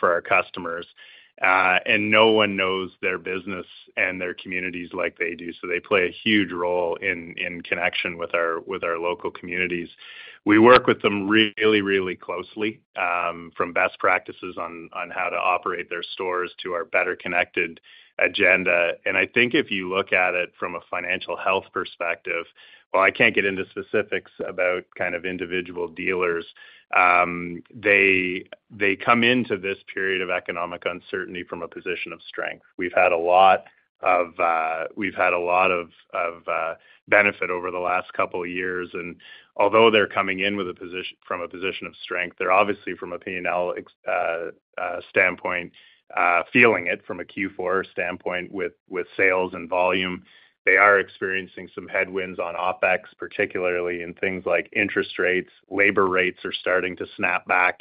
for our customers. No one knows their business and their communities like they do. They play a huge role in connection with our local communities. We work with them really, really closely, from best practices on how to operate their stores to our Better Connected agenda. I think if you look at it from a financial health perspective, while I can't get into specifics about kind of individual dealers, they come into this period of economic uncertainty from a position of strength. We've had a lot of benefit over the last couple of years. Although they're coming in from a position of strength, they're obviously, from a P&L standpoint, feeling it from a Q4 standpoint with sales and volume. They are experiencing some headwinds on OpEx, particularly in things like interest rates. Labor rates are starting to snap back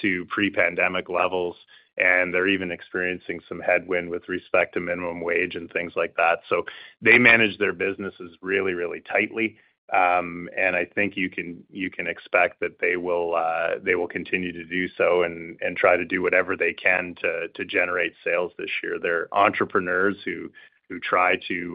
to pre-pandemic levels. And they're even experiencing some headwind with respect to minimum wage and things like that. So they manage their businesses really, really tightly. And I think you can expect that they will continue to do so and try to do whatever they can to generate sales this year. They're entrepreneurs who try to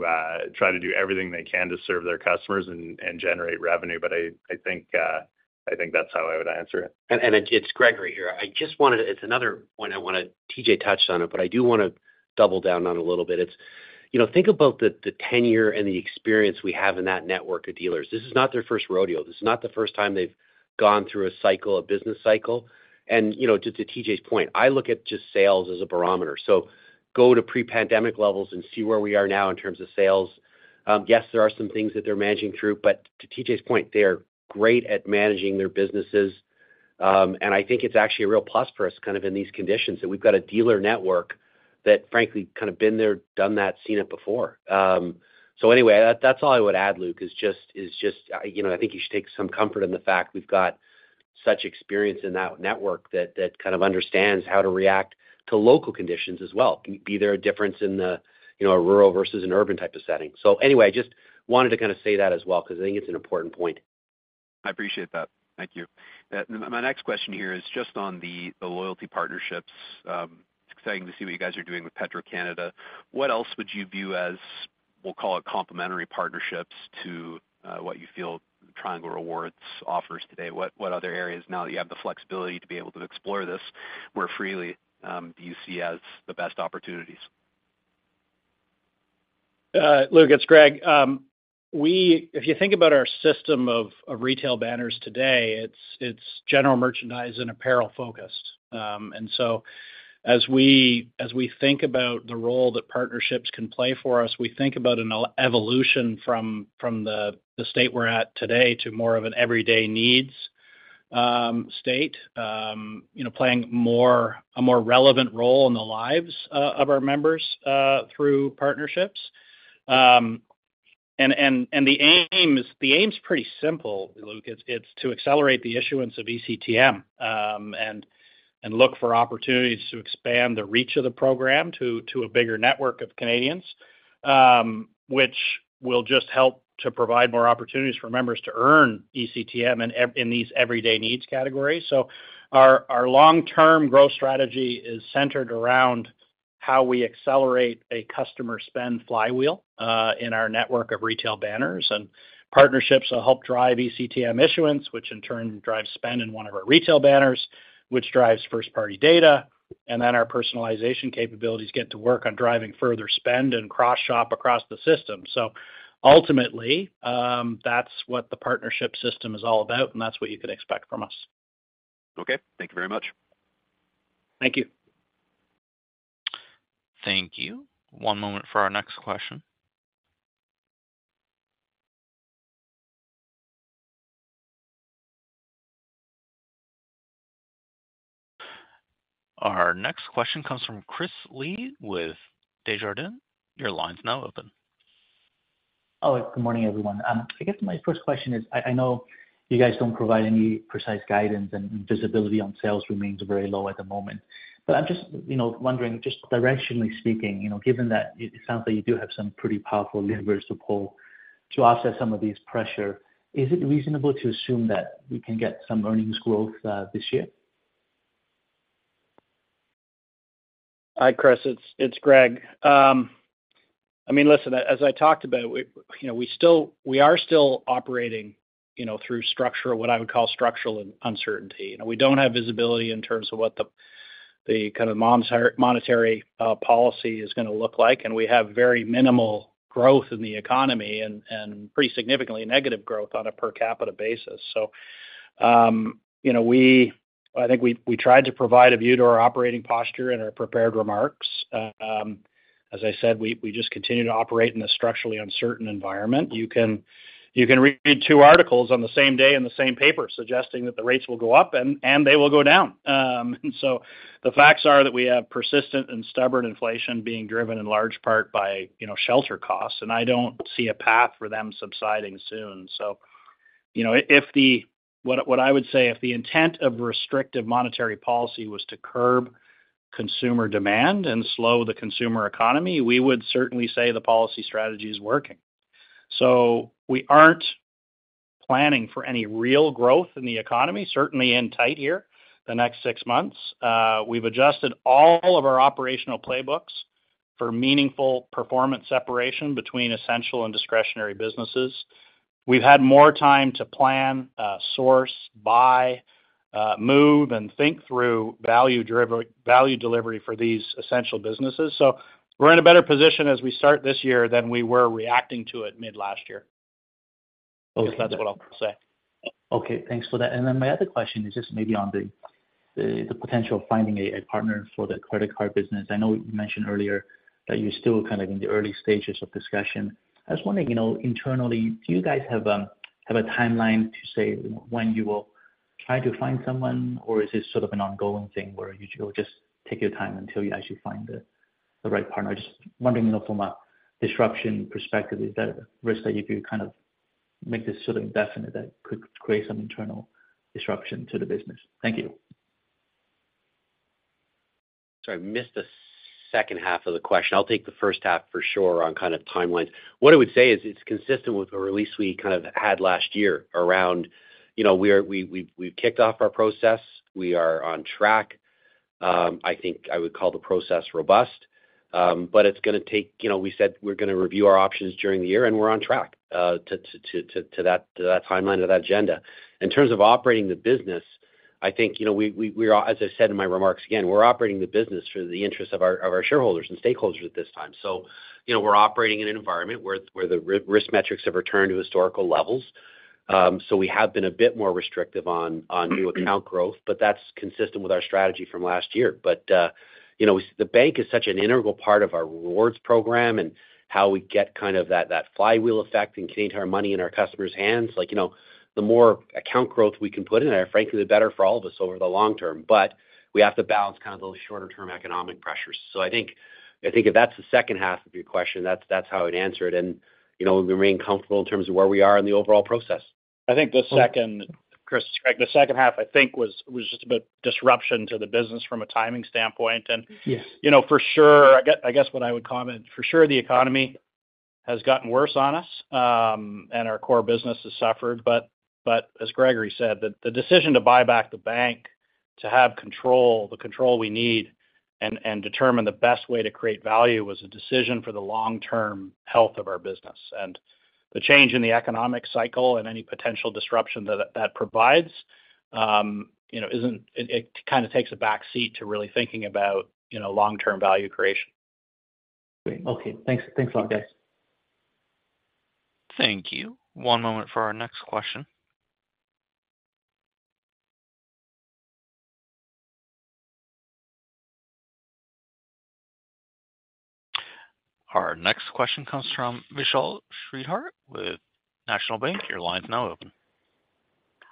do everything they can to serve their customers and generate revenue. But I think that's how I would answer it. And it's Gregory here. I just wanted to. It's another point I want to. TJ touched on it, but I do want to double down on a little bit. Think about the tenure and the experience we have in that network of dealers. This is not their first rodeo. This is not the first time they've gone through a cycle, a business cycle. And to TJ's point, I look at just sales as a barometer. So go to pre-pandemic levels and see where we are now in terms of sales. Yes, there are some things that they're managing through, but to TJ's point, they are great at managing their businesses. And I think it's actually a real plus for us kind of in these conditions that we've got a dealer network that, frankly, kind of been there, done that, seen it before. So anyway, that's all I would add, Luke, is just I think you should take some comfort in the fact we've got such experience in that network that kind of understands how to react to local conditions as well. Can there be a difference in a rural versus an urban type of setting? So anyway, I just wanted to kind of say that as well because I think it's an important point. I appreciate that. Thank you. My next question here is just on the loyalty partnerships. It's exciting to see what you guys are doing with Petro-Canada. What else would you view as, we'll call it, complementary partnerships to what you feel Triangle Rewards offers today? What other areas, now that you have the flexibility to be able to explore this more freely, do you see as the best opportunities? Luke, it's Greg. If you think about our system of retail banners today, it's general merchandise and apparel-focused. So as we think about the role that partnerships can play for us, we think about an evolution from the state we're at today to more of an everyday needs state, playing a more relevant role in the lives of our members through partnerships. The aim is pretty simple, Luke. It's to accelerate the issuance of eCTM and look for opportunities to expand the reach of the program to a bigger network of Canadians, which will just help to provide more opportunities for members to earn eCTM in these everyday needs categories. Our long-term growth strategy is centered around how we accelerate a customer spend flywheel in our network of retail banners. Partnerships will help drive eCTM issuance, which in turn drives spend in one of our retail banners, which drives first-party data. And then our personalization capabilities get to work on driving further spend and cross-shop across the system. So ultimately, that's what the partnership system is all about, and that's what you can expect from us. Okay. Thank you very much. Thank you. Thank you. One moment for our next question. Our next question comes from Chris Li with Desjardins. Your line's now open. Oh, good morning, everyone. I guess my first question is, I know you guys don't provide any precise guidance, and visibility on sales remains very low at the moment. But I'm just wondering, just directionally speaking, given that it sounds like you do have some pretty powerful levers to offset some of this pressure, is it reasonable to assume that we can get some earnings growth this year? Hi, Chris. It's Greg. I mean, listen, as I talked about, we are still operating through what I would call structural uncertainty. We don't have visibility in terms of what the kind of monetary policy is going to look like. And we have very minimal growth in the economy and pretty significantly negative growth on a per capita basis. So I think we tried to provide a view to our operating posture in our prepared remarks. As I said, we just continue to operate in a structurally uncertain environment. You can read two articles on the same day in the same paper suggesting that the rates will go up, and they will go down. So the facts are that we have persistent and stubborn inflation being driven in large part by shelter costs. I don't see a path for them subsiding soon. So what I would say, if the intent of restrictive monetary policy was to curb consumer demand and slow the consumer economy, we would certainly say the policy strategy is working. We aren't planning for any real growth in the economy, certainly in tight here, the next six months. We've adjusted all of our operational playbooks for meaningful performance separation between essential and discretionary businesses. We've had more time to plan, source, buy, move, and think through value delivery for these essential businesses. So we're in a better position as we start this year than we were reacting to it mid-last year, if that's what I'll say. Okay. Thanks for that. And then my other question is just maybe on the potential of finding a partner for the credit card business. I know you mentioned earlier that you're still kind of in the early stages of discussion. I was wondering, internally, do you guys have a timeline to say when you will try to find someone, or is this sort of an ongoing thing where you'll just take your time until you actually find the right partner? I'm just wondering, from a disruption perspective, is there a risk that if you kind of make this sort of indefinite, that could create some internal disruption to the business? Thank you. Sorry, I missed the second half of the question. I'll take the first half for sure on kind of timelines. What I would say is it's consistent with a release we kind of had last year around we've kicked off our process. We are on track. I think I would call the process robust. But it's going to take. We said we're going to review our options during the year, and we're on track to that timeline or that agenda. In terms of operating the business, I think we are, as I said in my remarks again, we're operating the business for the interests of our shareholders and stakeholders at this time. So we're operating in an environment where the risk metrics have returned to historical levels. So we have been a bit more restrictive on new account growth, but that's consistent with our strategy from last year. But the bank is such an integral part of our rewards program and how we get kind of that flywheel effect and keep our money in our customers' hands. The more account growth we can put in there, frankly, the better for all of us over the long term. But we have to balance kind of those shorter-term economic pressures. So I think if that's the second half of your question, that's how I would answer it. And we remain comfortable in terms of where we are in the overall process. I think the second Chris, Greg, the second half, I think, was just about disruption to the business from a timing standpoint. And for sure, I guess what I would comment, for sure, the economy has gotten worse on us, and our core business has suffered. But as Gregory said, the decision to buy back the bank, to have the control we need and determine the best way to create value was a decision for the long-term health of our business. And the change in the economic cycle and any potential disruption that that provides, it kind of takes a backseat to really thinking about long-term value creation. Okay. Thanks a lot, guys. Thank you. One moment for our next question. Our next question comes from Vishal Shreedhar with National Bank. Your line's now open.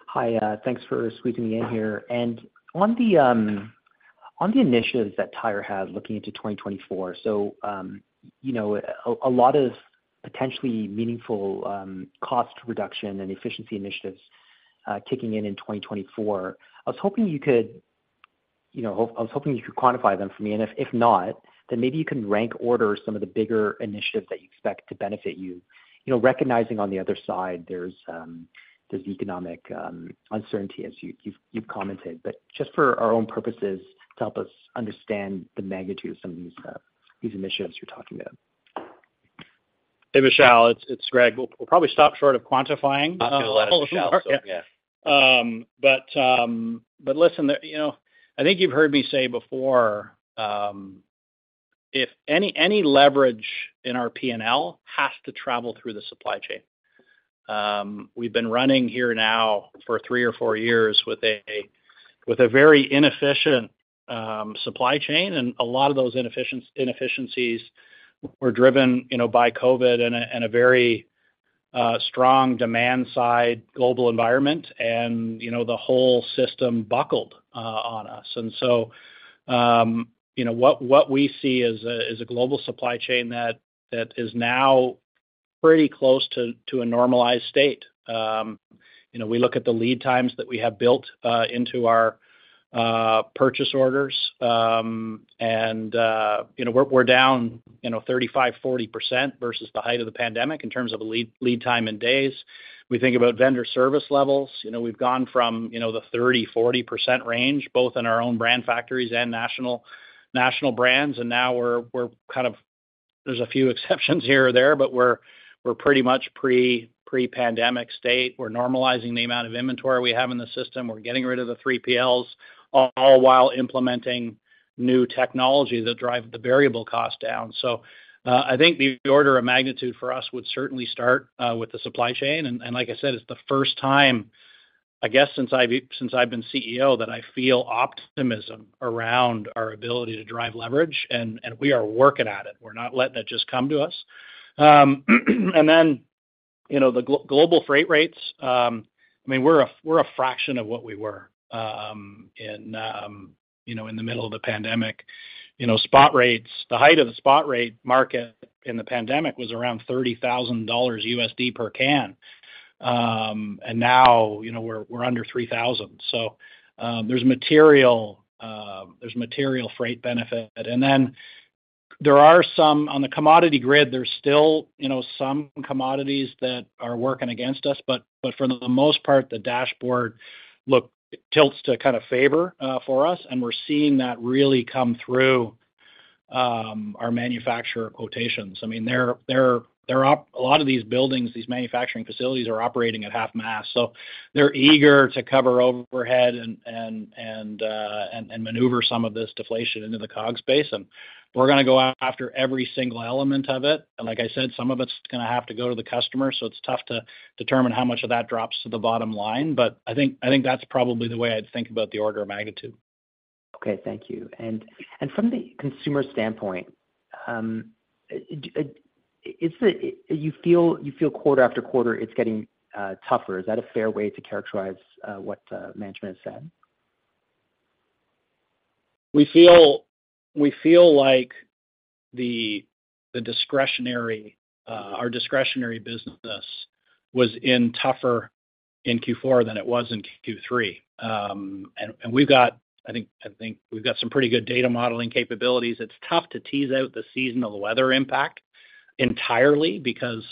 Hi. Thanks for squeezing me in here. And on the initiatives that Tire has looking into 2024, so a lot of potentially meaningful cost reduction and efficiency initiatives kicking in in 2024. I was hoping you could quantify them for me. If not, then maybe you can rank order some of the bigger initiatives that you expect to benefit you, recognizing on the other side, there's economic uncertainty, as you've commented. But just for our own purposes, to help us understand the magnitude of some of these initiatives you're talking about. Hey, Vishal. It's Greg. We'll probably stop short of quantifying. Not going to let it, Vishal. So yeah. But listen, I think you've heard me say before, any leverage in our P&L has to travel through the supply chain. We've been running here now for three or four years with a very inefficient supply chain. And a lot of those inefficiencies were driven by COVID and a very strong demand-side global environment. And the whole system buckled on us. And so what we see is a global supply chain that is now pretty close to a normalized state. We look at the lead times that we have built into our purchase orders. We're down 35%-40% versus the height of the pandemic in terms of lead time and days. We think about vendor service levels. We've gone from the 30%-40% range, both in our own brand factories and national brands. Now we're kind of, there's a few exceptions here or there, but we're pretty much pre-pandemic state. We're normalizing the amount of inventory we have in the system. We're getting rid of the 3PLs all while implementing new technology that drive the variable cost down. So I think the order of magnitude for us would certainly start with the supply chain. Like I said, it's the first time, I guess, since I've been CEO that I feel optimism around our ability to drive leverage. We are working at it. We're not letting it just come to us. And then the global freight rates, I mean, we're a fraction of what we were in the middle of the pandemic. Spot rates, the height of the spot rate market in the pandemic was around 30,000 dollars per can. And now we're under 3,000. So there's material freight benefit. And then there are some on the commodity grid, there's still some commodities that are working against us. But for the most part, the dashboard, look, tilts to kind of favor for us. And we're seeing that really come through our manufacturer quotations. I mean, a lot of these buildings, these manufacturing facilities are operating at half-mast. So they're eager to cover overhead and maneuver some of this deflation into the COGS base. And we're going to go after every single element of it. And like I said, some of it's going to have to go to the customer. So it's tough to determine how much of that drops to the bottom line. But I think that's probably the way I'd think about the order of magnitude. Okay. Thank you. And from the consumer standpoint, you feel quarter after quarter, it's getting tougher. Is that a fair way to characterize what management has said? We feel like our discretionary business was tougher in Q4 than it was in Q3. And I think we've got some pretty good data modeling capabilities. It's tough to tease out the seasonal weather impact entirely because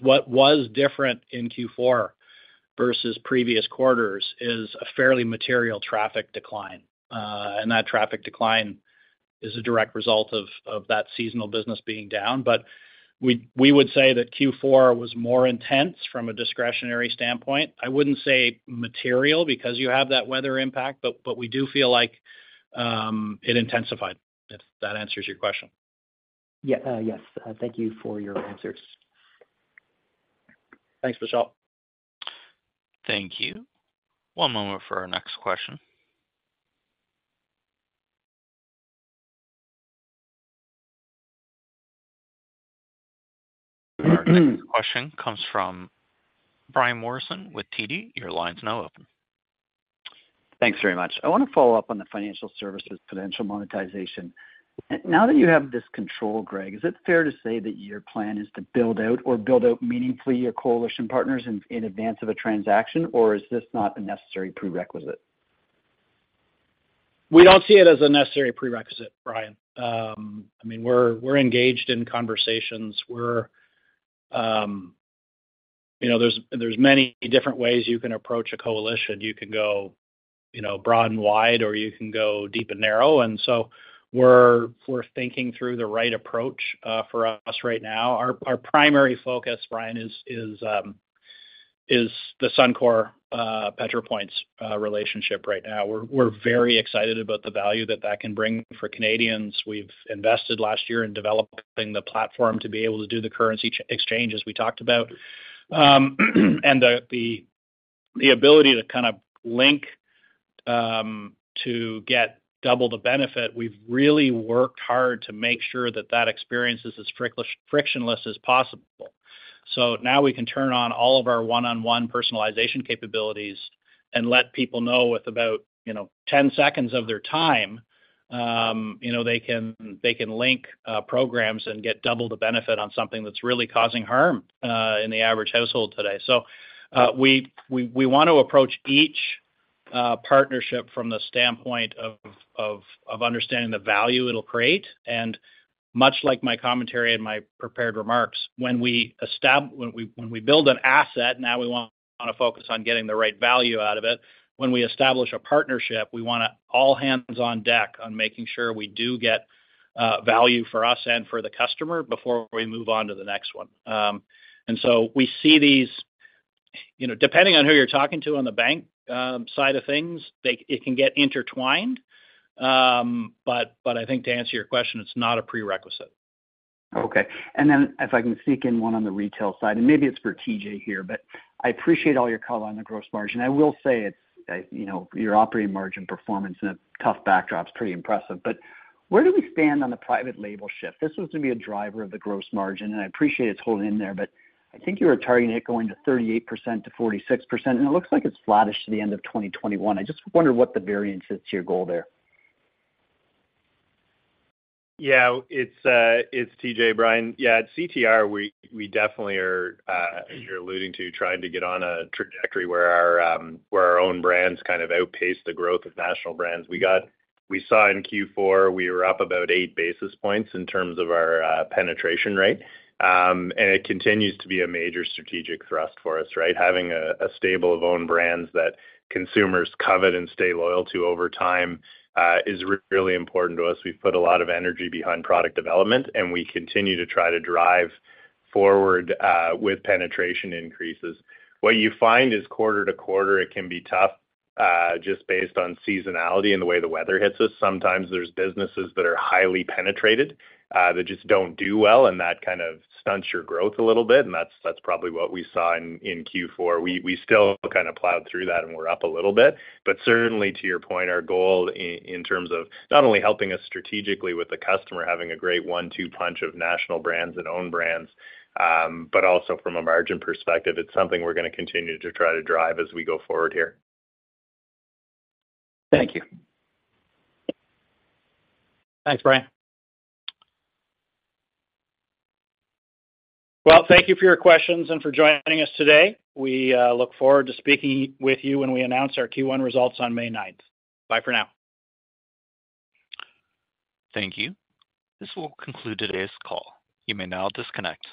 what was different in Q4 versus previous quarters is a fairly material traffic decline. And that traffic decline is a direct result of that seasonal business being down. But we would say that Q4 was more intense from a discretionary standpoint. I wouldn't say material because you have that weather impact, but we do feel like it intensified, if that answers your question. Yes. Thank you for your answers. Thanks, Vishal. Thank you. One moment for our next question. Our next question comes from Brian Morrison with TD. Your line's now open. Thanks very much. I want to follow up on the Financial Services potential monetization. Now that you have this control, Greg, is it fair to say that your plan is to build out or build out meaningfully your coalition partners in advance of a transaction, or is this not a necessary prerequisite? We don't see it as a necessary prerequisite, Brian. I mean, we're engaged in conversations. There's many different ways you can approach a coalition. You can go broad and wide, or you can go deep and narrow. We're thinking through the right approach for us right now. Our primary focus, Brian, is the Suncor Petro-Points relationship right now. We're very excited about the value that that can bring for Canadians. We've invested last year in developing the platform to be able to do the currency exchanges we talked about. The ability to kind of link to get double the benefit, we've really worked hard to make sure that that experience is as frictionless as possible. Now we can turn on all of our one-on-one personalization capabilities and let people know with about 10 seconds of their time, they can link programs and get double the benefit on something that's really causing harm in the average household today. We want to approach each partnership from the standpoint of understanding the value it'll create. And much like my commentary and my prepared remarks, when we build an asset, now we want to focus on getting the right value out of it. When we establish a partnership, we want to all hands on deck on making sure we do get value for us and for the customer before we move on to the next one. And so we see these depending on who you're talking to on the bank side of things, it can get intertwined. But I think to answer your question, it's not a prerequisite. Okay. And then if I can sneak in one on the retail side, and maybe it's for TJ here, but I appreciate all your call on the gross margin. I will say your operating margin performance in a tough backdrop is pretty impressive. But where do we stand on the private label shift? This was going to be a driver of the gross margin, and I appreciate it's holding in there. But I think you were targeting it going to 38%-46%, and it looks like it's flattish to the end of 2021. I just wonder what the variance is to your goal there. Yeah. It's TJ, Brian. Yeah. At CTR, we definitely are, as you're alluding to, trying to get on a trajectory where our own brands kind of outpace the growth of national brands. We saw in Q4, we were up about 8 basis points in terms of our penetration rate. And it continues to be a major strategic thrust for us, right? Having a stable of own brands that consumers covet and stay loyal to over time is really important to us. We've put a lot of energy behind product development, and we continue to try to drive forward with penetration increases. What you find is quarter-to-quarter, it can be tough just based on seasonality and the way the weather hits us. Sometimes there's businesses that are highly penetrated that just don't do well, and that kind of stunts your growth a little bit. And that's probably what we saw in Q4. We still kind of plowed through that, and we're up a little bit. But certainly, to your point, our goal in terms of not only helping us strategically with the customer, having a great one, two punch of national brands and own brands, but also from a margin perspective, it's something we're going to continue to try to drive as we go forward here. Thank you. Thanks, Brian. Well, thank you for your questions and for joining us today. We look forward to speaking with you when we announce our Q1 results on May 9th. Bye for now. Thank you. This will conclude today's call. You may now disconnect.